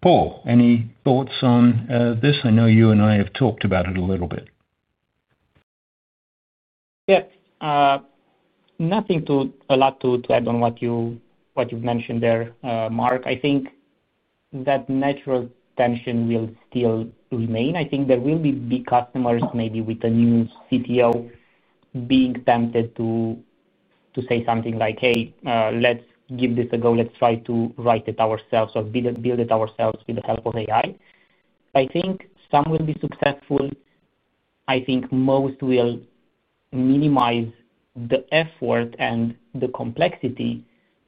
Paul, any thoughts on this? I know you and I have talked about it a little bit. Yeah, nothing to add to what you've mentioned there, Mark. I think that natural tension will still remain. I think there will be big customers, maybe with the new CTO, being tempted to say something like, "Hey, let's give this a go. Let's try to write it ourselves or build it ourselves with the help of AI." I think some will be successful. I think most will minimize the effort and the complexity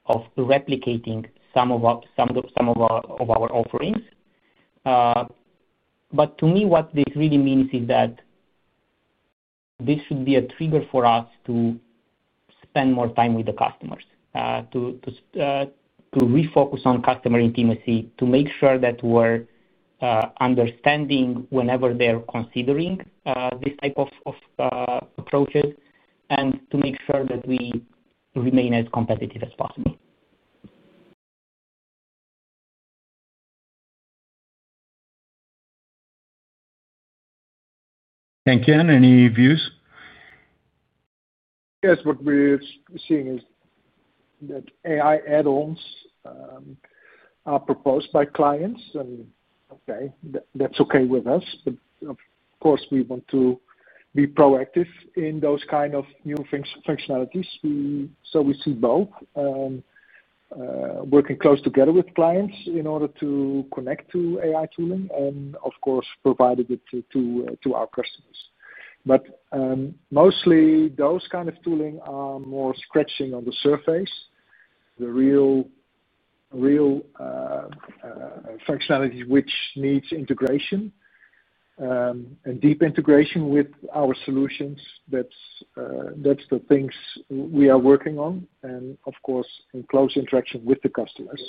of replicating some of our offerings. To me, what this really means is that this should be a trigger for us to spend more time with the customers, to refocus on customer intimacy, to make sure that we're understanding whenever they're considering this type of approaches, and to make sure that we remain as competitive as possible. [Henk-Jan], any views? Yes. What we're seeing is that AI add-ons are proposed by clients. That's okay with us. Of course, we want to be proactive in those kinds of new functionalities. We see both working close together with clients in order to connect to AI tooling and, of course, provide it to our customers. Mostly, those kinds of tooling are more stretching on the surface, the real functionality which needs integration and deep integration with our solutions. Those are the things we are working on, in close interaction with the customers.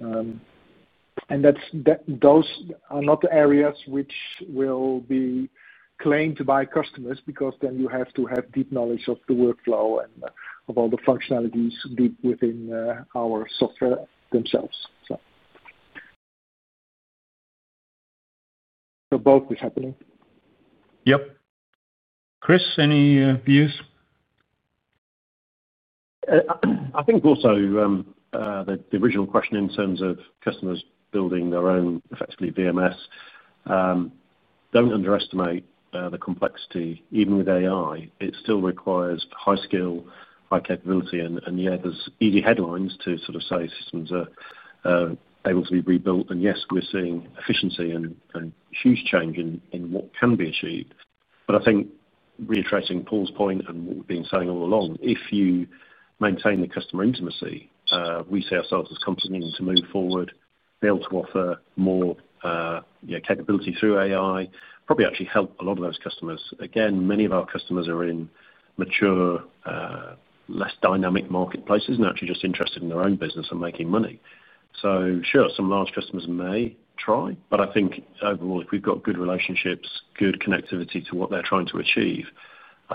Those are not the areas which will be claimed by customers because then you have to have deep knowledge of the workflow and of all the functionalities deep within our software themselves. Both is happening. Yep. Chris, any views? I think also, the original question in terms of customers building their own effectively DMS, don't underestimate the complexity. Even with AI, it still requires high skill, high capability. There are easy headlines to sort of say systems are able to be rebuilt. Yes, we're seeing efficiency and huge change in what can be achieved. I think reiterating Paul's point and what we've been saying all along, if you maintain the customer intimacy, we see ourselves as a company needing to move forward, be able to offer more capability through AI, probably actually help a lot of those customers. Again, many of our customers are in mature, less dynamic marketplaces and actually just interested in their own business and making money. Sure, some large customers may try, but I think overall, if we've got good relationships, good connectivity to what they're trying to achieve,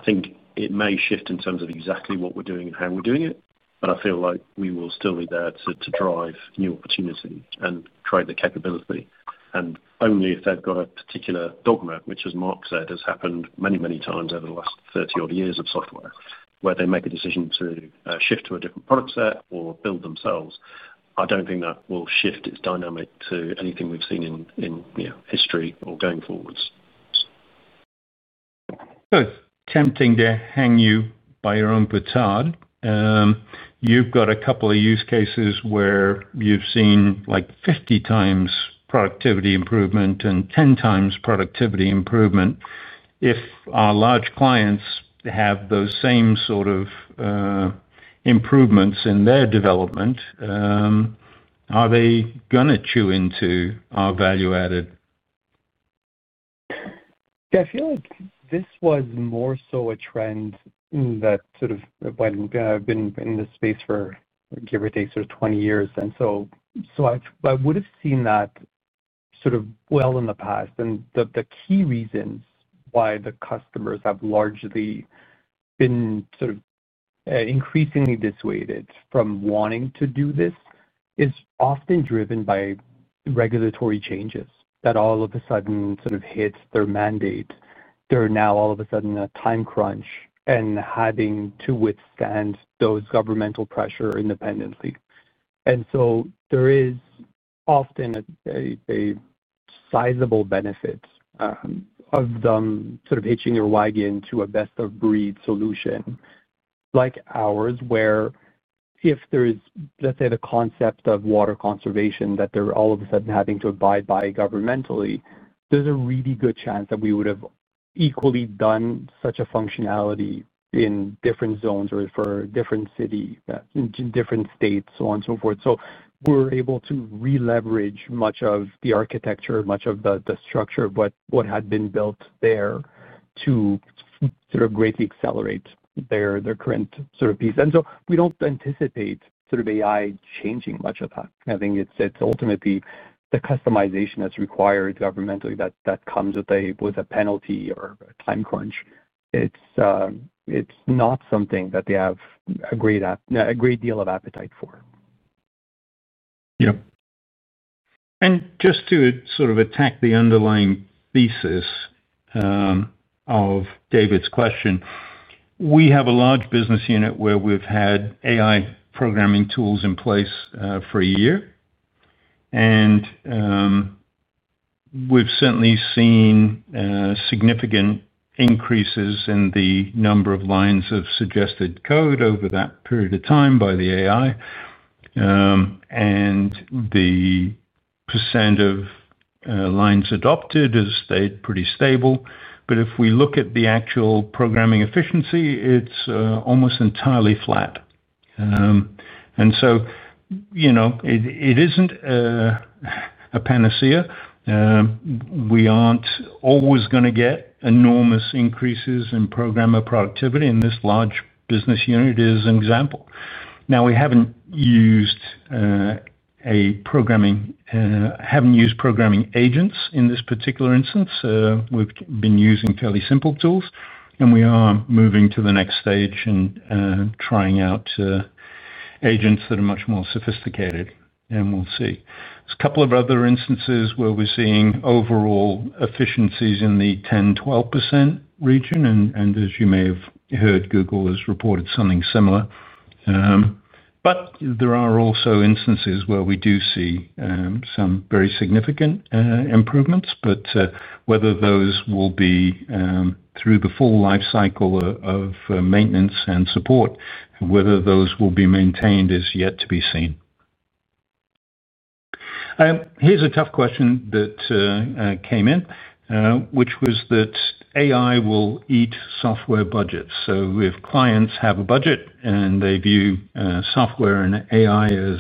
it may shift in terms of exactly what we're doing and how we're doing it. I feel like we will still be there to drive new opportunity and trade the capability. Only if they've got a particular dogma, which as Mark Leonard said, has happened many, many times over the last 30-odd years of software where they make a decision to shift to a different product set or build themselves. I don't think that will shift its dynamic to anything we've seen in history or going forwards. It's tempting to hang you by your own petard. You've got a couple of use cases where you've seen like 50x productivity improvement and 10x productivity improvement. If our large clients have those same sort of improvements in their development, are they going to chew into our value-added? Yeah, I feel like this was more so a trend that sort of I've been in this space for, give or take, 20 years. I would have seen that well in the past. The key reasons why the customers have largely been increasingly dissuaded from wanting to do this is often driven by regulatory changes that all of a sudden hit their mandate. They're now all of a sudden on a time crunch and having to withstand those governmental pressures independently. There is often a sizable benefit of them hitching their wagon to a best-of-breed solution like ours where, if there is, let's say, the concept of water conservation that they're all of a sudden having to abide by governmentally, there's a really good chance that we would have equally done such a functionality in different zones or for different cities, in different states, and so forth. We're able to re-leverage much of the architecture, much of the structure, what had been built there to greatly accelerate their current piece. We don't anticipate AI changing much of that. I think it's ultimately the customization that's required governmentally that comes with a penalty or a time crunch. It's not something that they have a great deal of appetite for. Yep. Just to sort of attack the underlying thesis of David's question, we have a large business unit where we've had AI programming tools in place for a year. We've certainly seen significant increases in the number of lines of suggested code over that period of time by the AI, and the percent of lines adopted has stayed pretty stable. If we look at the actual programming efficiency, it's almost entirely flat. You know it isn't a panacea. We aren't always going to get enormous increases in programmer productivity in this large business unit as an example. We haven't used programming agents in this particular instance. We've been using fairly simple tools, and we are moving to the next stage and trying out agents that are much more sophisticated. We'll see. There are a couple of other instances where we're seeing overall efficiencies in the 10%-12% region. As you may have heard, Google has reported something similar. There are also instances where we do see some very significant improvements. Whether those will be through the full life cycle of maintenance and support, whether those will be maintained is yet to be seen. Here's a tough question that came in, which was that AI will eat software budgets. If clients have a budget and they view software and AI as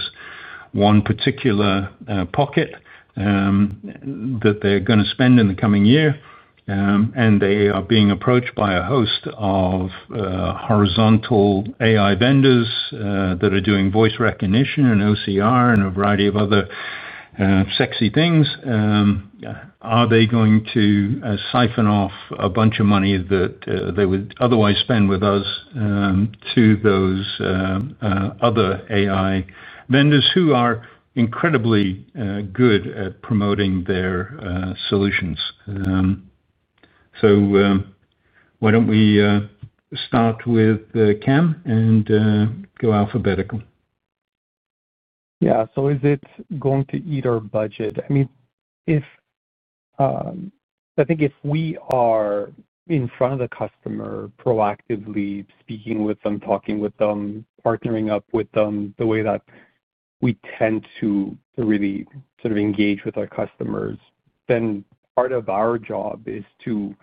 one particular pocket that they're going to spend in the coming year, and they are being approached by a host of horizontal AI vendors that are doing voice recognition and OCR and a variety of other sexy things, are they going to siphon off a bunch of money that they would otherwise spend with us to those other AI vendors who are incredibly good at promoting their solutions? Why don't we start with Cam and go alphabetical? Yeah. Is it going to eat our budget? I think if we are in front of the customer, proactively speaking with them, talking with them, partnering up with them, the way that we tend to really sort of engage with our customers, then part of our job is to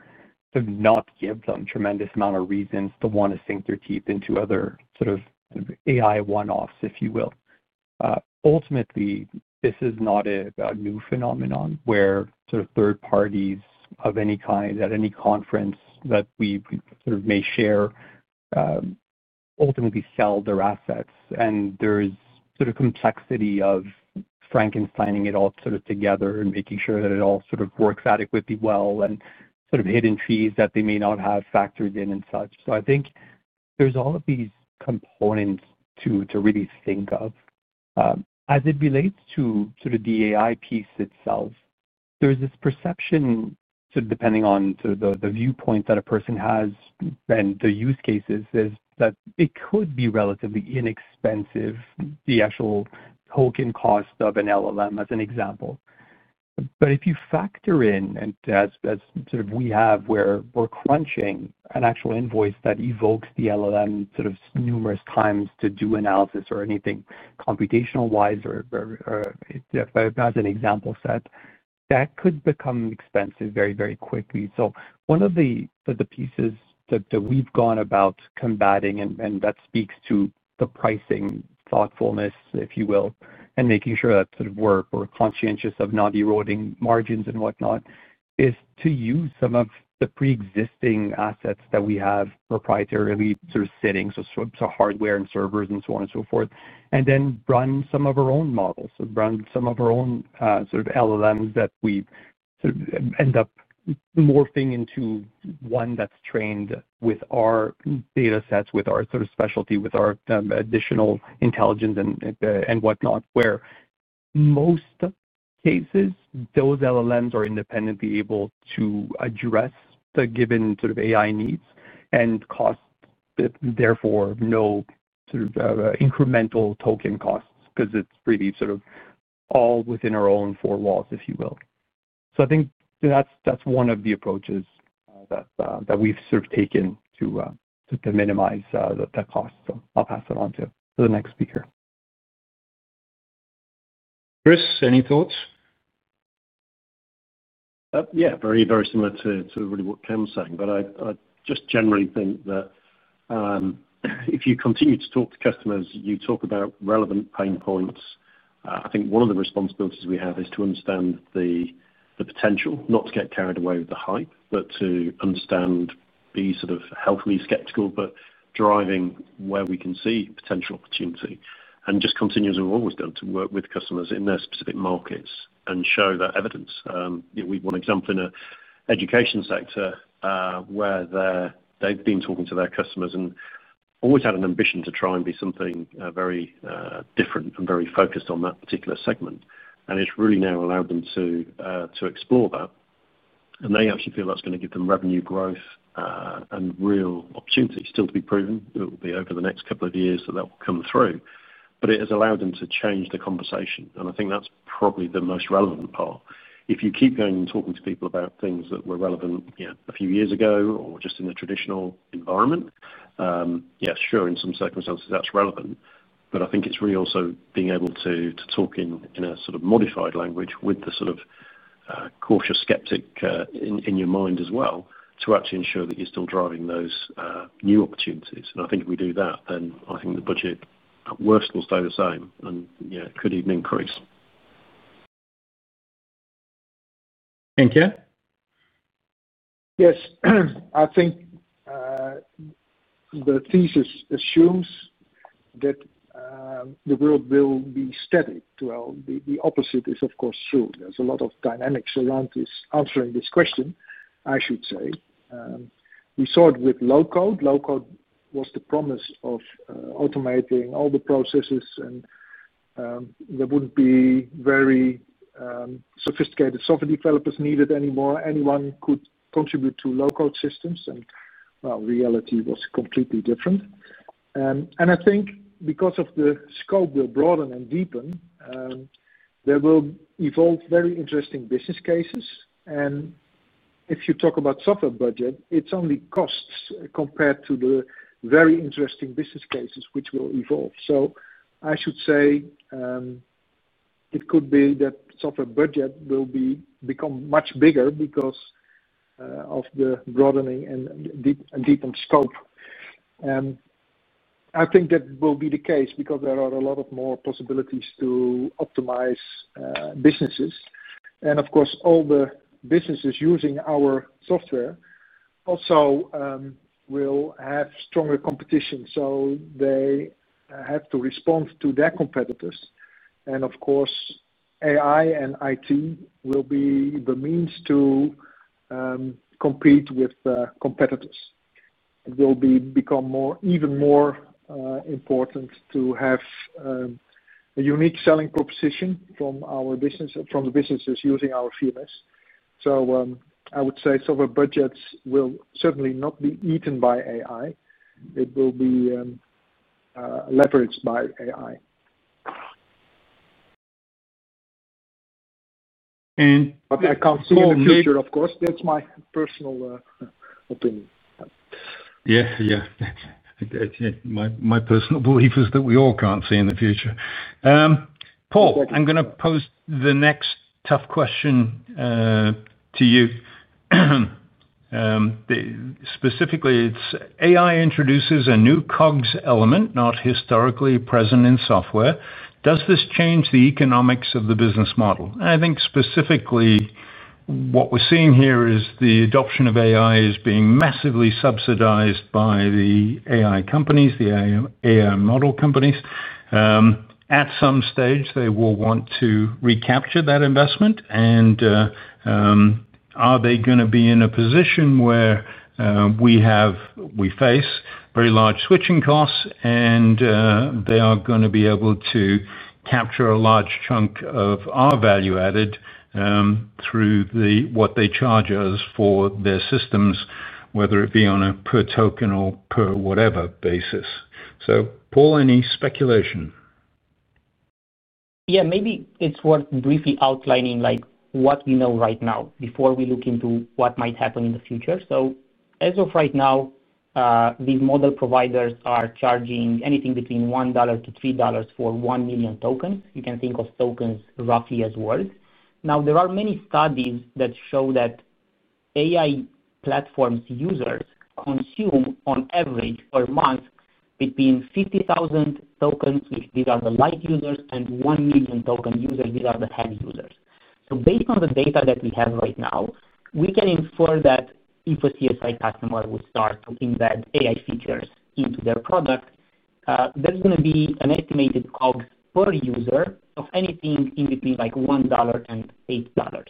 sort of not give them a tremendous amount of reasons to want to sink their teeth into other sort of AI one-offs, if you will. Ultimately, this is not a new phenomenon where sort of third parties of any kind at any conference that we sort of may share ultimately sell their own sets. There is sort of complexity of Frankensteining it all together and making sure that it all works adequately well, and hidden fees that they may not have factored in and such. I think there's all of these components to really think of. As it relates to the AI piece itself, there's this perception, depending on the viewpoint that a person has and the use cases, that it could be relatively inexpensive, the actual token cost of an LLM as an example. If you factor in, and as we have where we're crunching an actual invoice that evokes the LLM numerous times to do analysis or anything computational-wise, or if I have an example set, that could become expensive very, very quickly. One of the pieces that we've gone about combating, and that speaks to the pricing thoughtfulness, if you will, and making sure that we're conscientious of not eroding margins and whatnot, is to use some of the pre-existing assets that we have proprietarily sitting, so hardware and servers and so on and so forth, and then run some of our own models, run some of our own LLMs that we end up morphing into one that's trained with our data sets, with our specialty, with our additional intelligence and whatnot, where in most cases, those LLMs are independently able to address the given AI needs and cost, therefore no incremental token costs, because it's really all within our own four walls, if you will. I think that's one of the approaches that we've taken to minimize the cost. I'll pass it on to the next speaker. Chris, any thoughts? Yeah, very, very similar to really what Cam's saying, but I just generally think that if you continue to talk to customers, you talk about relevant pain points. I think one of the responsibilities we have is to understand the potential, not to get carried away with the hype, but to understand, be sort of healthily skeptical, but driving where we can see potential opportunity. Just continue as we've always done to work with customers in their specific markets and show that evidence. We have one example in the education sector where they've been talking to their customers and always had an ambition to try and be something very different and very focused on that particular segment. It's really now allowed them to explore that. They actually feel that's going to give them revenue growth and real opportunity, still to be proven. It will be over the next couple of years that that will come through. It has allowed them to change the conversation. I think that's probably the most relevant part. If you keep going and talking to people about things that were relevant a few years ago or just in the traditional environment, yeah, sure, in some circumstances that's relevant. I think it's really also being able to talk in a sort of modified language with the sort of cautious skeptic in your mind as well to actually ensure that you're still driving those new opportunities. I think if we do that, then I think the budget worst will stay the same and could even increase. [Henk-Jan]? Yes, I think the thesis assumes that the world will be steady. The opposite is, of course, true. There's a lot of dynamics around answering this question, I should say. We saw it with low code. Low code was the promise of automating all the processes, and there wouldn't be very sophisticated software developers needed anymore. Anyone could contribute to low code systems, and reality was completely different. I think because the scope will broaden and deepen, there will evolve very interesting business cases. If you talk about software budget, it's only costs compared to the very interesting business cases which will evolve. I should say it could be that software budget will become much bigger because of the broadening and deepened scope. I think that will be the case because there are a lot more possibilities to optimize businesses. Of course, all the businesses using our software also will have stronger competition. They have to respond to their competitors. Of course, AI and IT will be the means to compete with competitors. It will become even more important to have a unique selling proposition from the businesses using our CMS. I would say software budgets will certainly not be eaten by AI. It will be leveraged by AI. And. They can't see in the future, of course. That's my personal opinion. Yeah, yeah. My personal belief is that we all can't see in the future. Paul, I'm going to pose the next tough question to you. Specifically, it's AI introduces a new COGS element, not historically present in software. Does this change the economics of the business model? I think specifically what we're seeing here is the adoption of AI is being massively subsidized by the AI companies, the AI model companies. At some stage, they will want to recapture that investment. Are they going to be in a position where we face very large switching costs, and they are going to be able to capture a large chunk of our value added through what they charge us for their systems, whether it be on a per token or per whatever basis. Paul, any speculation? Yeah, maybe it's worth briefly outlining what we know right now before we look into what might happen in the future. As of right now, these model providers are charging anything between $1 to $3 for 1 million tokens. You can think of tokens roughly as words. There are many studies that show that AI platforms users consume on average per month between 50,000 tokens, which are the light users, and 1 million token users, these are the heavy users. Based on the data that we have right now, we can infer that if a CSI customer would start to embed AI features into their product, there's going to be an estimated cost per user of anything in between $1 and $8.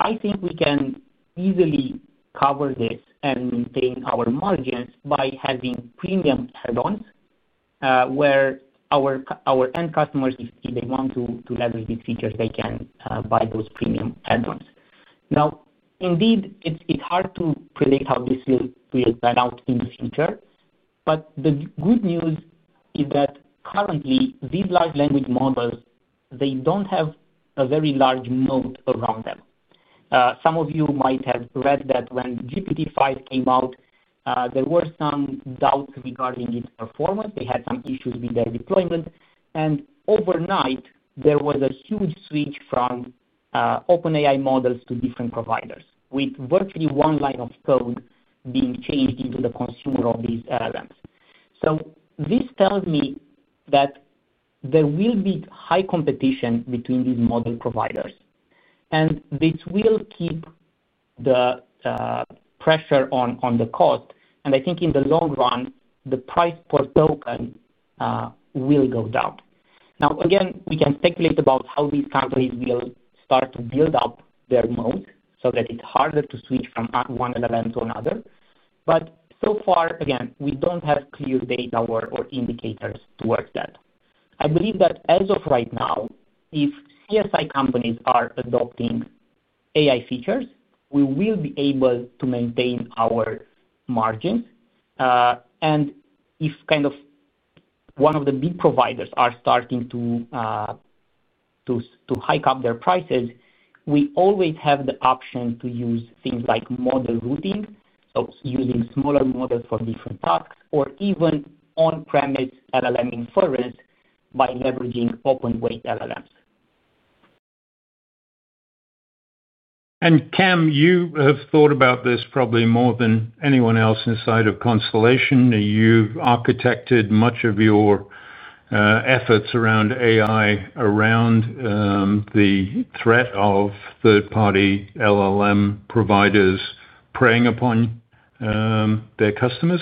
I think we can easily cover this and maintain our margins by having premium add-ons where our end customers, if they want to leverage these features, can buy those premium add-ons. Indeed, it's hard to predict how this will play out in the future. The good news is that currently, these large language models do not have a very large moat around them. Some of you might have read that when GPT-5 came out, there were some doubts regarding its performance. They had some issues with their deployment. Overnight, there was a huge switch from OpenAI models to different providers, with virtually one line of code being changed into the consumer of these LLMs. This tells me that there will be high competition between these model providers, and this will keep the pressure on the cost. I think in the long run, the price per token will go down. Again, we can speculate about how these companies will start to build up their moat so that it's harder to switch from one LLM to another. So far, we do not have clear data or indicators to work that. I believe that as of right now, if CSI companies are adopting AI features, we will be able to maintain our margins. If one of the big providers is starting to hike up their prices, we always have the option to use things like model routing, using smaller models for different tasks, or even on-premise LLM inference by leveraging open weight LLMs. Cam, you have thought about this probably more than anyone else inside of Constellation. You've architected much of your efforts around AI, around the threat of third-party LLM providers preying upon their customers.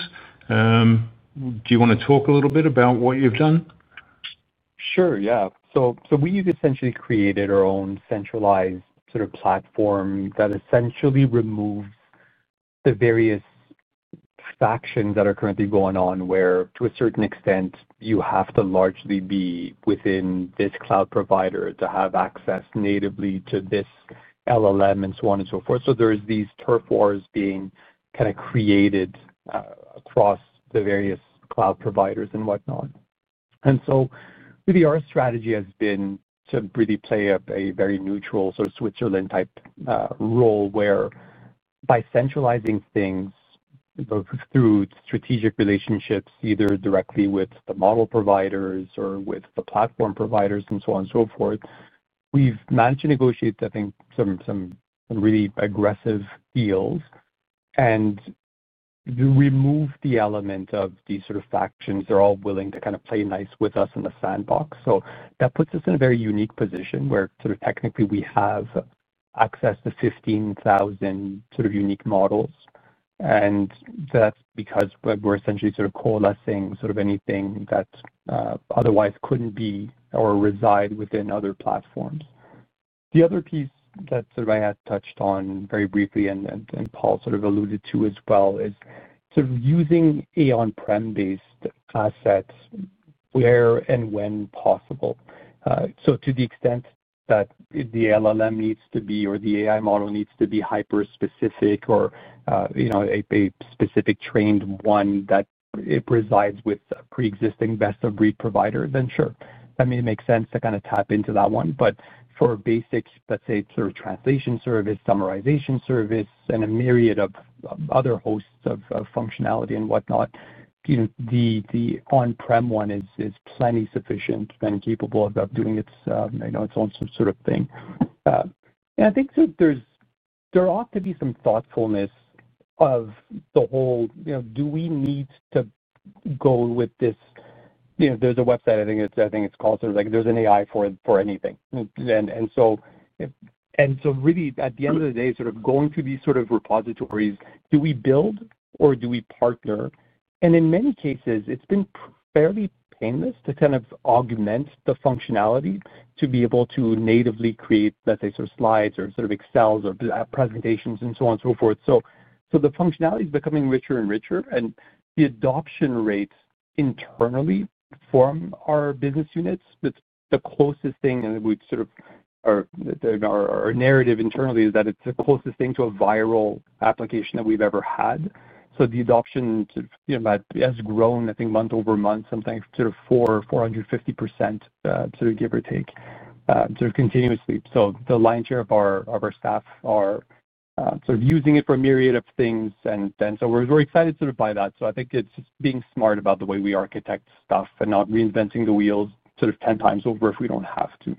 Do you want to talk a little bit about what you've done? Sure, yeah. We've essentially created our own centralized sort of platform that removes the various factions that are currently going on, where to a certain extent, you have to largely be within this cloud provider to have access natively to this LLM and so on and so forth. There are these turf wars being created across the various cloud providers and whatnot. Our strategy has been to really play a very neutral sort of Switzerland type role where by centralizing things both through strategic relationships, either directly with the model providers or with the platform providers and so on and so forth, we've managed to negotiate, I think, some really aggressive deals and remove the element of these factions. They're all willing to play nice with us in the sandbox. That puts us in a very unique position where technically we have access to 15,000 unique models. That's because we're essentially coalescing anything that otherwise couldn't be or reside within other platforms. The other piece that I had touched on very briefly and Paul alluded to as well is using AI on-prem-based assets where and when possible. To the extent that the LLM needs to be or the AI model needs to be hyper-specific or a specific trained one that resides with a pre-existing best-of-breed provider, then sure, that may make sense to tap into that one. For basic, let's say, translation service, summarization service, and a myriad of other hosts of functionality and whatnot, the on-prem one is plenty sufficient and capable of doing its own thing. I think there ought to be some thoughtfulness of the whole, do we need to go with this? There's a website, I think it's called, sort of like there's an AI for anything. At the end of the day, going through these repositories, do we build or do we partner? In many cases, it's been fairly painless to augment the functionality to be able to natively create, let's say, slides or Excels or presentations and so on and so forth. The functionality is becoming richer and richer, and the adoption rates internally from our business units, that's the closest thing that we've, or our narrative internally is that it's the closest thing to a viral application that we've ever had. The adoption has grown, I think, month over month, something sort of 450%, give or take, continuously. The lion's share of our staff are using it for a myriad of things, and we're excited by that. I think it's just being smart about the way we architect stuff and not reinventing the wheel 10x over if we don't have to.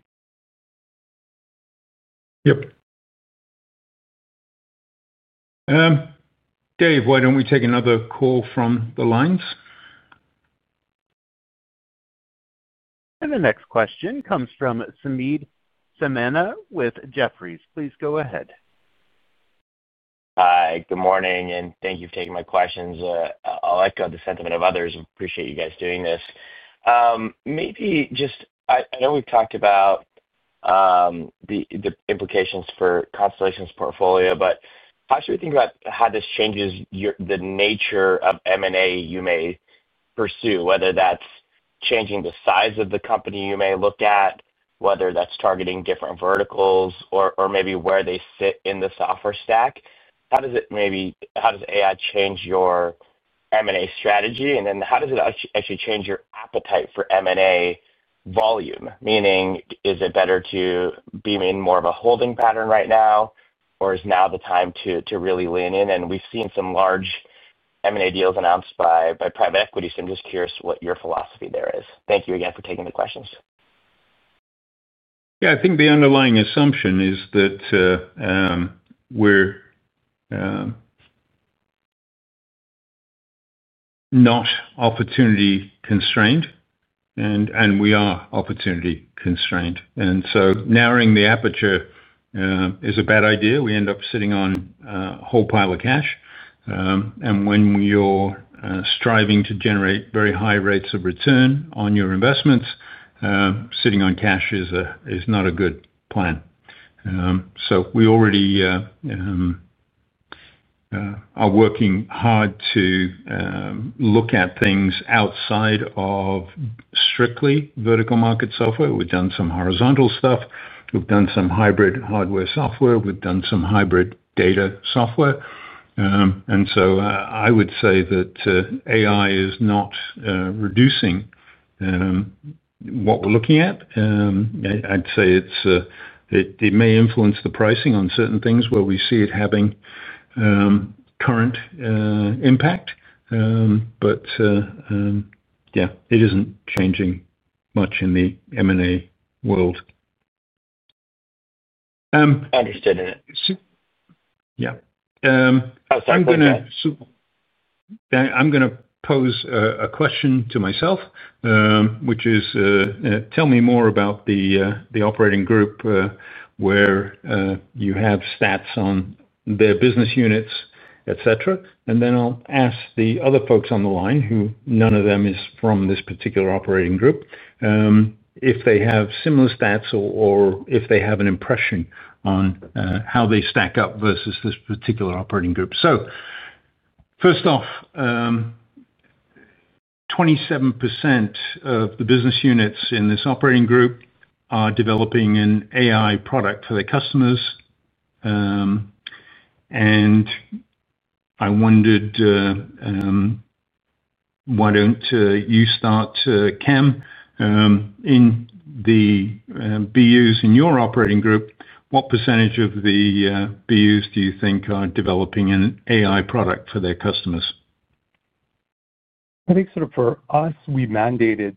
Dave, why don't we take another call from the lines? The next question comes from Samad Samana with Jefferies. Please go ahead. Hi, good morning, and thank you for taking my questions. I'll echo the sentiment of others. I appreciate you guys doing this. Maybe just, I know we've talked about the implications for Constellation's portfolio, but how should we think about how this changes the nature of M&A you may pursue, whether that's changing the size of the company you may look at, whether that's targeting different verticals, or maybe where they sit in the software stack? How does it, maybe, how does AI change your M&A strategy? How does it actually change your appetite for M&A volume? Meaning, is it better to be in more of a holding pattern right now, or is now the time to really lean in? We've seen some large M&A deals announced by private equities, so I'm just curious what your philosophy there is. Thank you again for taking the questions. I think the underlying assumption is that we're not opportunity-constrained, and we are opportunity-constrained. Narrowing the aperture is a bad idea. We end up sitting on a whole pile of cash. When you're striving to generate very high rates of return on your investments, sitting on cash is not a good plan. We already are working hard to look at things outside of strictly vertical market software. We've done some horizontal stuff. We've done some hybrid hardware software. We've done some hybrid data software. I would say that AI is not reducing what we're looking at. I'd say it may influence the pricing on certain things where we see it having current impact. It isn't changing much in the M&A world. Understood. Yeah. Oh, sorry. I'm going to pose a question to myself, which is, tell me more about the operating group where you have stats on their business units, etc. I'll ask the other folks on the line, who none of them is from this particular operating group, if they have similar stats or if they have an impression on how they stack up versus this particular operating group. First off, 27% of the business units in this operating group are developing an AI product for their customers. I wondered, why don't you start, Cam? In the BUs in your operating group, what percentage of the BUs do you think are developing an AI product for their customers? I think for us, we mandated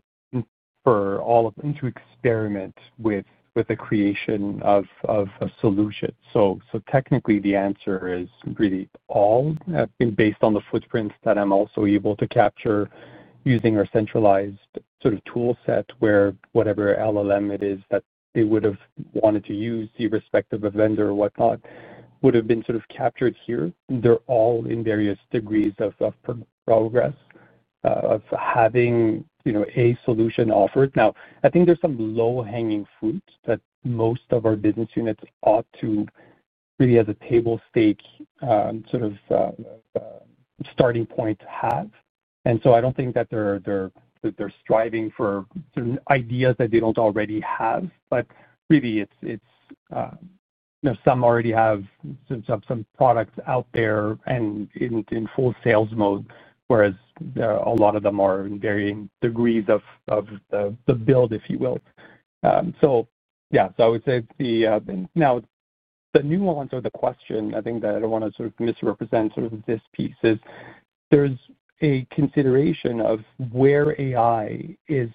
for all of them to experiment with the creation of a solution. Technically, the answer is really all, I think, based on the footprints that I'm also able to capture using our centralized tool set where whatever LLM it is that they would have wanted to use, irrespective of vendor or whatnot, would have been captured here. They're all in various degrees of progress of having a solution offered. I think there's some low-hanging fruit that most of our business units ought to really, as a table stake, starting point to have. I don't think that they're striving for ideas that they don't already have. Some already have some products out there and in full sales mode, whereas a lot of them are in varying degrees of the build, if you will. I would say the nuance of the question, I think that I don't want to misrepresent this piece, is there's a consideration of where AI is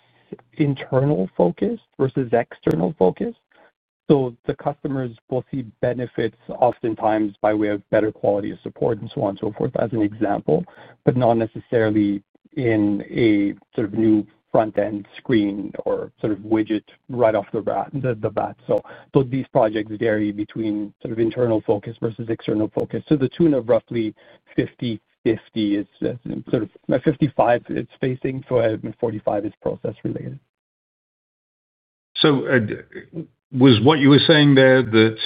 internal focused versus external focused. The customers will see benefits oftentimes by way of better quality of support and so on and so forth as an example, but not necessarily in a new front-end screen or widget right off the bat. These projects vary between internal focus versus external focus. To the tune of roughly 50/50, it's sort of a 55% is facing, so a 45% is process-related. Was what you were saying there that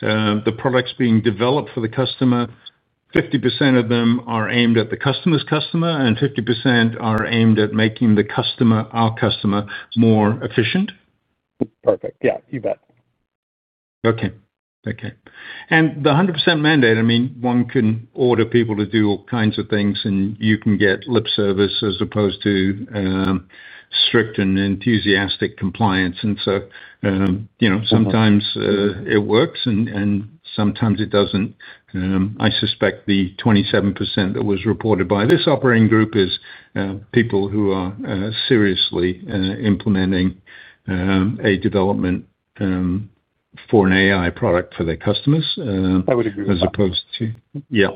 the products being developed for the customer, 50% of them are aimed at the customer's customer and 50% are aimed at making the customer, our customer, more efficient? Perfect. Yeah, you bet. Okay. The 100% mandate, I mean, one can order people to do all kinds of things and you can get lip service as opposed to strict and enthusiastic compliance. Sometimes it works and sometimes it doesn't. I suspect the 27% that was reported by this operating group is people who are seriously implementing a development for an AI product for their customers. I would agree. As opposed to. yeah.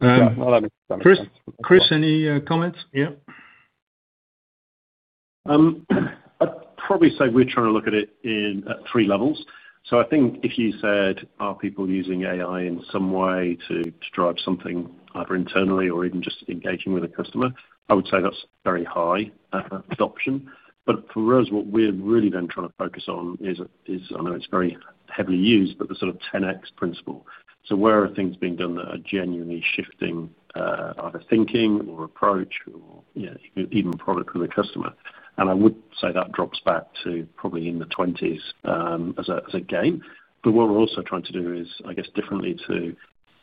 That makes sense. Chris, any comments? Yeah. I'd probably say we're trying to look at it at three levels. If you said, are people using AI in some way to drive something either internally or even just engaging with a customer, I would say that's very high adoption. For us, what we're really then trying to focus on is, I know it's very heavily used, but the sort of 10X principle. Where are things being done that are genuinely shifting either thinking or approach or even product for the customer? I would say that drops back to probably in the 20s as a game. What we're also trying to do is, I guess, differently to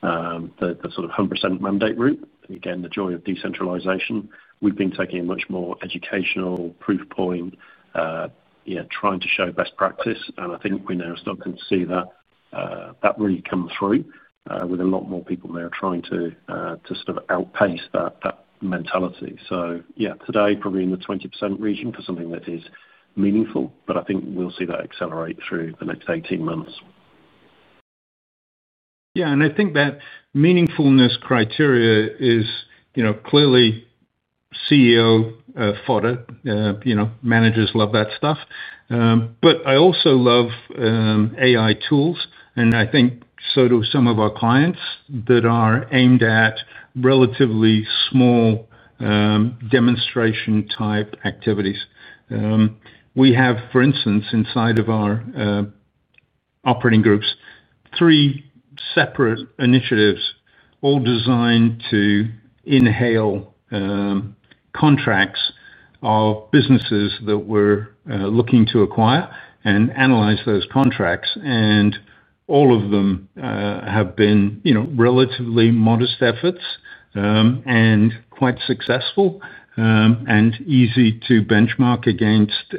the sort of 100% mandate route. The joy of decentralization, we've been taking a much more educational proof point, trying to show best practice. I think we now start to see that that really comes through with a lot more people now trying to outpace that mentality. Today probably in the 20% region for something that is meaningful, but I think we'll see that accelerate through the next 18 months. Yeah, and I think that meaningfulness criteria is, you know, clearly CEO fodder. Managers love that stuff. I also love AI tools, and I think so do some of our clients that are aimed at relatively small demonstration type activities. We have, for instance, inside of our operating groups, three separate initiatives all designed to inhale contracts of businesses that we're looking to acquire and analyze those contracts. All of them have been relatively modest efforts and quite successful and easy to benchmark against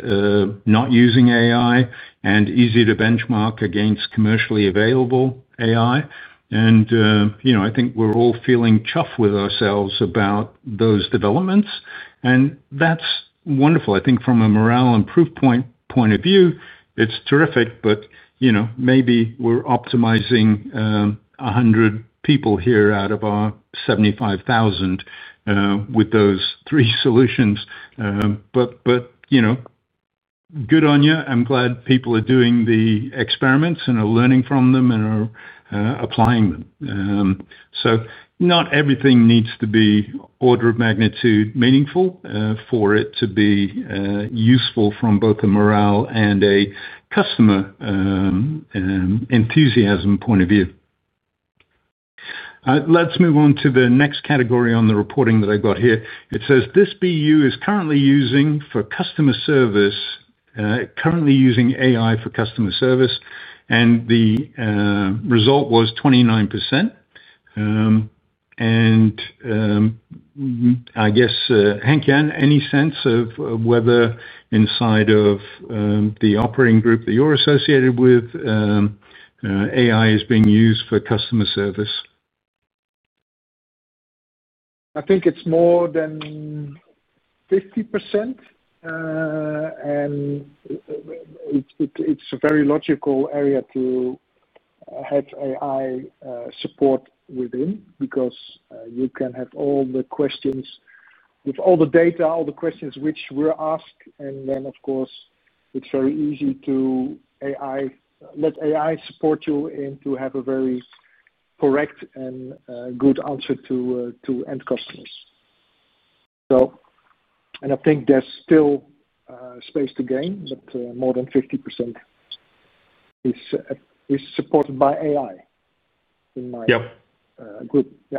not using AI and easy to benchmark against commercially available AI. I think we're all feeling tough with ourselves about those developments. That's wonderful. I think from a morale and proof point of view, it's terrific, but you know, maybe we're optimizing 100 people here out of our 75,000 with those three solutions. Good on you. I'm glad people are doing the experiments and are learning from them and are applying them. Not everything needs to be order of magnitude meaningful for it to be useful from both a morale and a customer enthusiasm point of view. Let's move on to the next category on the reporting that I got here. It says this BU is currently using for customer service, currently using AI for customer service. The result was 29%. I guess, [Henk-Jan], any sense of whether inside of the operating group that you're associated with, AI is being used for customer service? I think it's more than 50%. It's a very logical area to have AI support within because you can have all the questions with all the data, all the questions which were asked. Of course, it's very easy to let AI support you and to have a very correct and good answer to end customers. I think there's still space to gain, but more than 50% is supported by AI in my group. Yeah.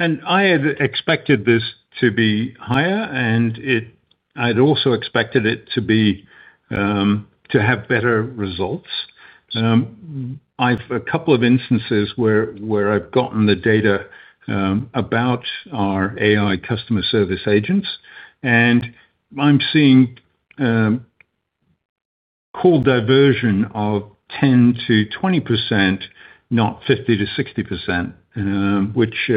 I had expected this to be higher, and I'd also expected it to have better results. I've a couple of instances where I've gotten the data about our AI customer service agents, and I'm seeing core diversion of 10%-20%, no, 50%-60%, which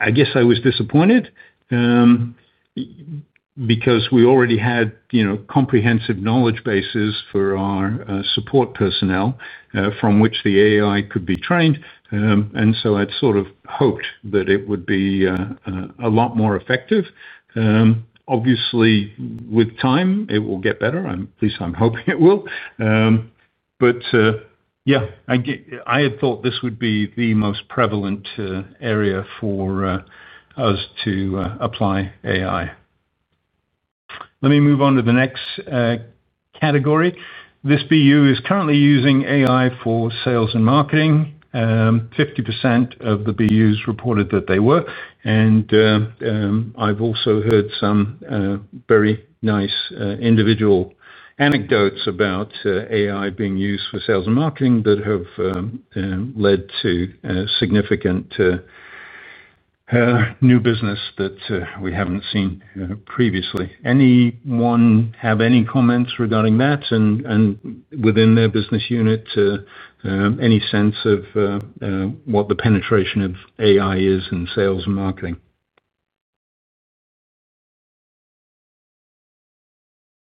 I guess I was disappointed because we already had comprehensive knowledge bases for our support personnel from which the AI could be trained. I had sort of hoped that it would be a lot more effective. Obviously, with time, it will get better. At least I'm hoping it will. I had thought this would be the most prevalent area for us to apply AI. Let me move on to the next category. This BU is currently using AI for sales and marketing. 50% of the BUs reported that they were. I've also heard some very nice individual anecdotes about AI being used for sales and marketing that have led to significant new business that we haven't seen previously. Anyone have any comments regarding that and within their business unit? Any sense of what the penetration of AI is in sales and marketing?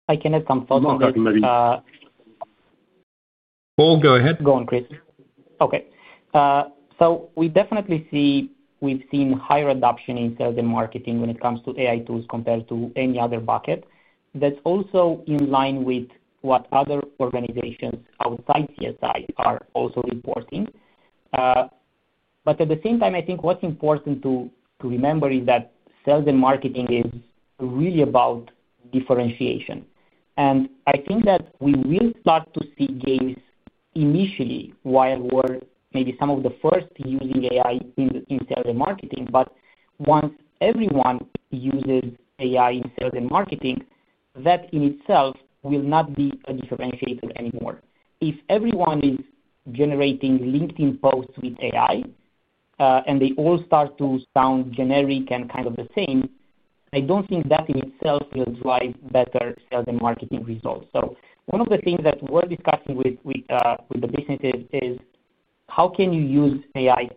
I can add some thoughts on that. Paul, go ahead. Go on, please. Okay. We definitely see we've seen higher adoption in sales and marketing when it comes to AI tools compared to any other bucket. That's also in line with what other organizations outside CSI are also reporting. At the same time, I think what's important to remember is that sales and marketing is really about differentiation. I think that we will start to see gains initially while we're maybe some of the first using AI in sales and marketing. Once everyone uses AI in sales and marketing, that in itself will not be a differentiator anymore. If everyone is generating LinkedIn posts with AI and they all start to sound generic and kind of the same, I don't think that in itself will drive better sales and marketing results. One of the things that we're discussing with the businesses is how can you use AI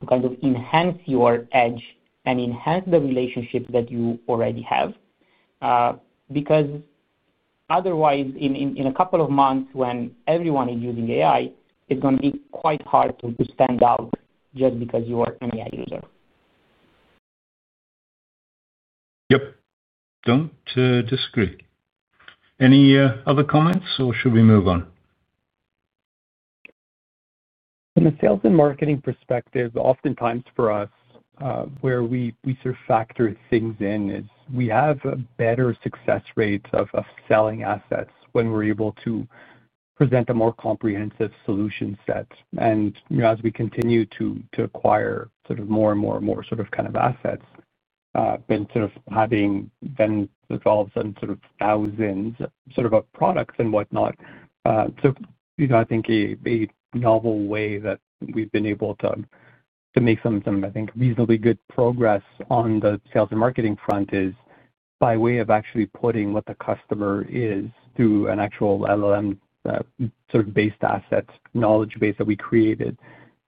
to kind of enhance your edge and enhance the relationship that you already have. Otherwise, in a couple of months, when everyone is using AI, it's going to be quite hard to stand out just because you are an AI user. Yep. I don't disagree. Any other comments, or should we move on? From a sales and marketing perspective, oftentimes for us, where we sort of factor things in is we have a better success rate of selling assets when we're able to present a more comprehensive solution set. As we continue to acquire more and more assets, having them results in thousands of products and whatnot. I think a novel way that we've been able to make some, I think, reasonably good progress on the sales and marketing front is by way of actually putting what the customer is through an actual LLM-based assets knowledge base that we created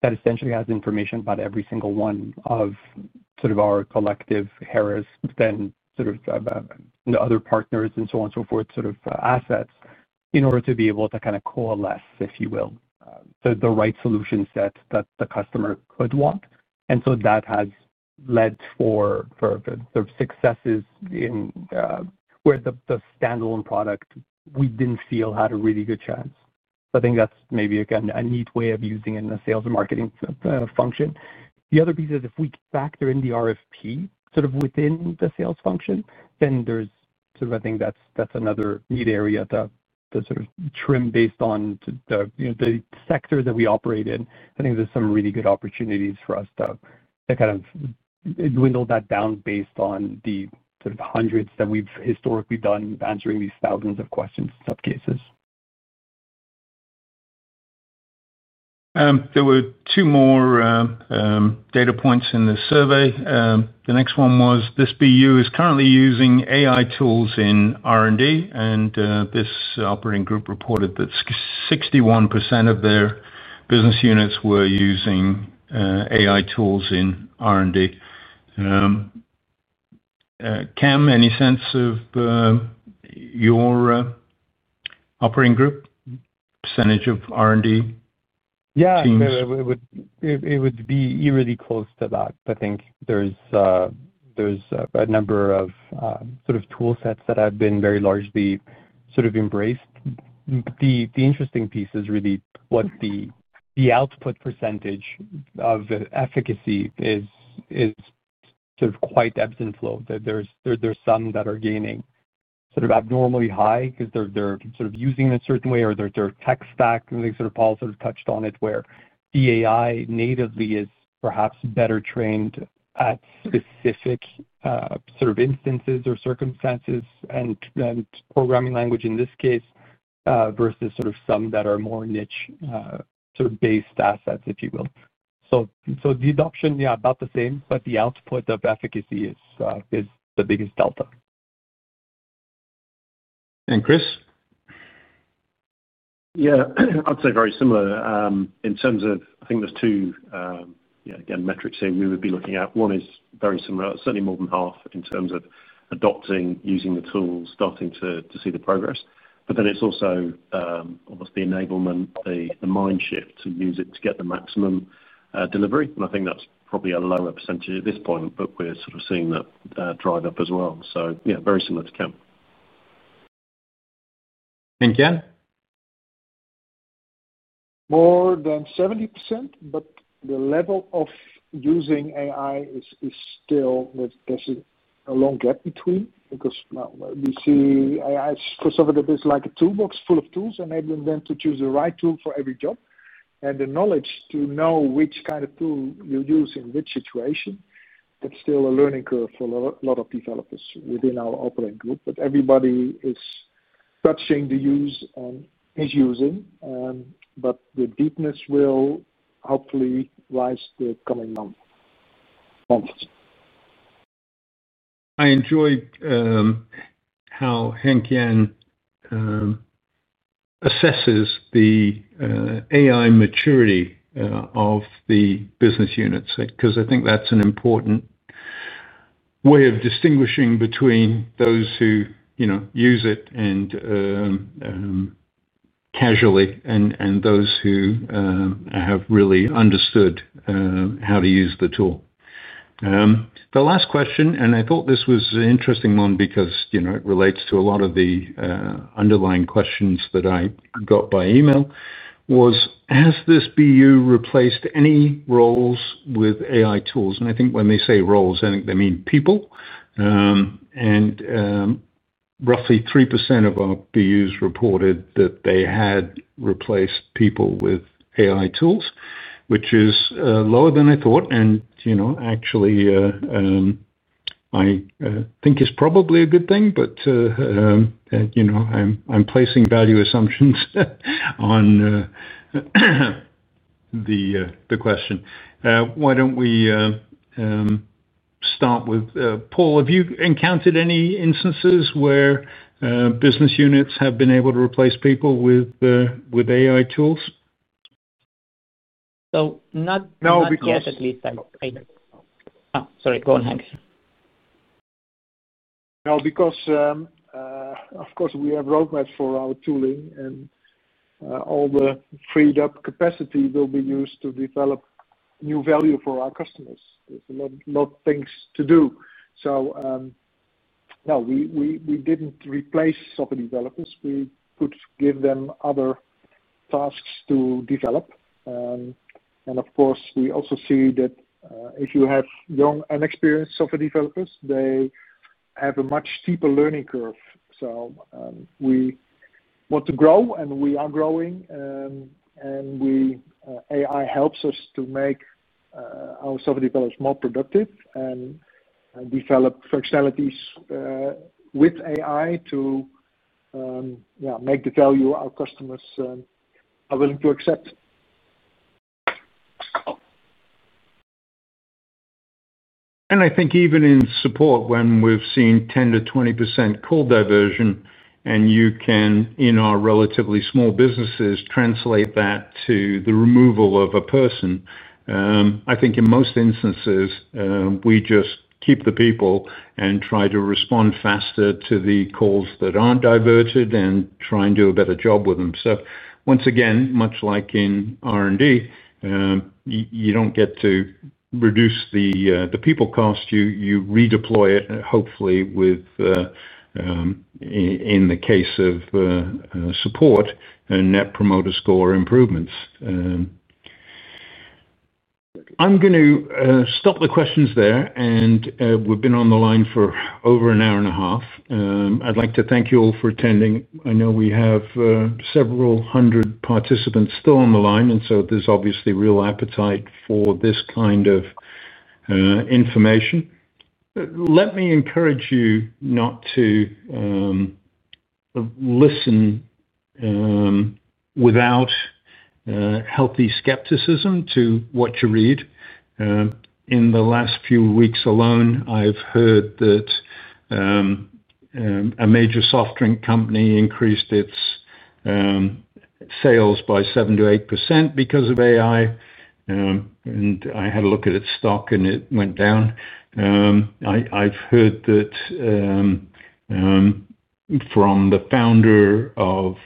that essentially has information about every single one of our collective [Harris], then the other partners and so on and so forth, assets in order to be able to coalesce, if you will, the right solution set that the customer could want. That has led to successes in where the standalone product we didn't feel had a really good chance. I think that's maybe a neat way of using it in a sales and marketing function. The other piece is if we factor in the RFP within the sales function, I think that's another neat area to trim based on the sector that we operate in. I think there's some really good opportunities for us to dwindle that down based on the hundreds that we've historically done answering these thousands of questions and subcases. There were two more data points in this survey. The next one was this BU is currently using AI tools in R&D, and this operating group reported that 61% of their business units were using AI tools in R&D. Cam, any sense of your operating group percentage of R&D teams? Yeah, it would be really close to that. I think there's a number of sort of tool sets that have been very largely embraced. The interesting piece is really what the output percentage of efficacy is, it quite ebbs and flows. There's some that are gaining abnormally high because they're using it a certain way or their tech stack. I think Paul touched on it where the AI natively is perhaps better trained at specific instances or circumstances and programming language in this case versus some that are more niche-based assets, if you will. The adoption, yeah, about the same, but the output of efficacy is the biggest delta. And Chris? Yeah, I'd say very similar in terms of, I think there's two metrics we would be looking at. One is very similar, certainly more than 50% in terms of adopting, using the tools, starting to see the progress. It's also almost the enablement, the mind shift to use it to get the maximum delivery. I think that's probably a lower percentage at this point, but we're seeing that drive up as well. Yeah, very similar to Cam. [Henk-Jan]? More than 70%, but the level of using AI is still that there's a long gap between because we see AI is preserved a bit like a toolbox full of tools, enabling them to choose the right tool for every job. The knowledge to know which kind of tool you use in which situation, that's still a learning curve for a lot of developers within our operating group. Everybody is touching the use on issues, but the deepness will hopefully rise the coming month. I enjoyed how [Henk-Jan] assesses the AI maturity of the business units because I think that's an important way of distinguishing between those who use it casually and those who have really understood how to use the tool. The last question, and I thought this was an interesting one because it relates to a lot of the underlying questions that I got by email, was, has this BU replaced any roles with AI tools? I think when they say roles, I think they mean people. Roughly 3% of our BUs reported that they had replaced people with AI tools, which is lower than I thought. Actually, I think it's probably a good thing, but I'm placing value assumptions on the question. Why don't we start with Paul? Have you encountered any instances where business units have been able to replace people with AI tools? Not yet, at least. No, because. Sorry, go on, [Henk-Jan]. No, because, of course, we have roadmaps for our tooling, and all the freed up capacity will be used to develop new value for our customers, not things to do. No, we didn't replace software developers. We could give them other tasks to develop. Of course, we also see that if you have young and experienced software developers, they have a much steeper learning curve. We want to grow, and we are growing. AI helps us to make our software developers more productive and develop functionalities with AI to make the value our customers are willing to accept. I think even in support, when we've seen 10%-20% core diversion, you can, in our relatively small businesses, translate that to the removal of a person. I think in most instances, we just keep the people and try to respond faster to the calls that aren't diverted and try to do a better job with them. Once again, much like in R&D, you don't get to reduce the people cost. You redeploy it, hopefully in the case of support and net promoter score improvements. I'm going to stop the questions there. We've been on the line for over an hour and a half. I'd like to thank you all for attending. I know we have several hundred participants still on the line, so there's obviously real appetite for this kind of information. Let me encourage you not to listen without healthy skepticism to what you read. In the last few weeks alone, I've heard that a major soft drink company increased its sales by 7% to 8% because of AI. I had a look at its stock and it went down. I've heard from the founder of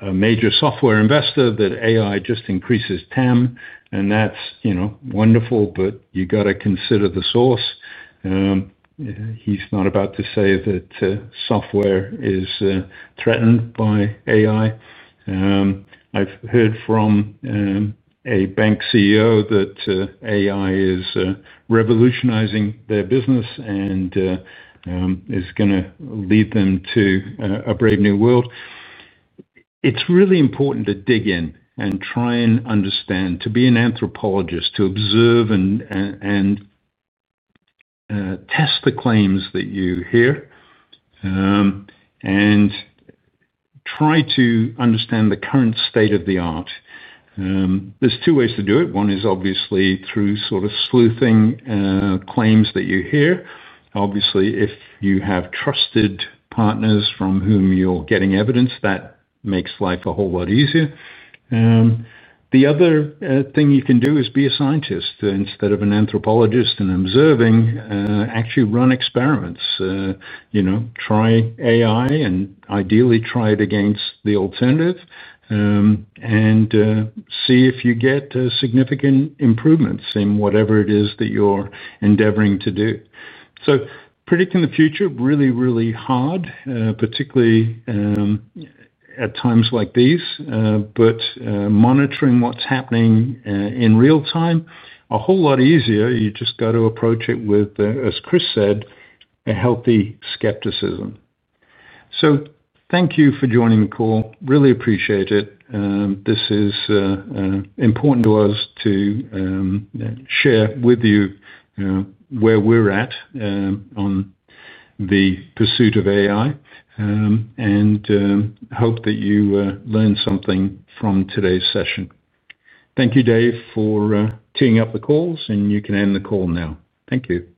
a major software investor that AI just increases TAM, and that's, you know, wonderful, but you got to consider the source. He's not about to say that software is threatened by AI. I've heard from a bank CEO that AI is revolutionizing their business and is going to lead them to a brave new world. It's really important to dig in and try to understand, to be an anthropologist, to observe and test the claims that you hear and try to understand the current state of the art. There are two ways to do it. One is obviously through sort of sleuthing claims that you hear. If you have trusted partners from whom you're getting evidence, that makes life a whole lot easier. The other thing you can do is be a scientist instead of an anthropologist and observing. Actually, run experiments. Try AI and ideally try it against the alternative and see if you get significant improvements in whatever it is that you're endeavoring to do. Predicting the future is really, really hard, particularly at times like these, but monitoring what's happening in real time is a whole lot easier. You just got to approach it with, as Chris said, a healthy skepticism. Thank you for joining the call. Really appreciate it. This is important to us to share with you where we're at on the pursuit of AI and hope that you learn something from today's session. Thank you, Dave, for teeing up the calls, and you can end the call now. Thank you.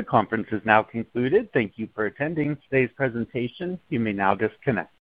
The conference is now concluded. Thank you for attending today's presentation. You may now disconnect.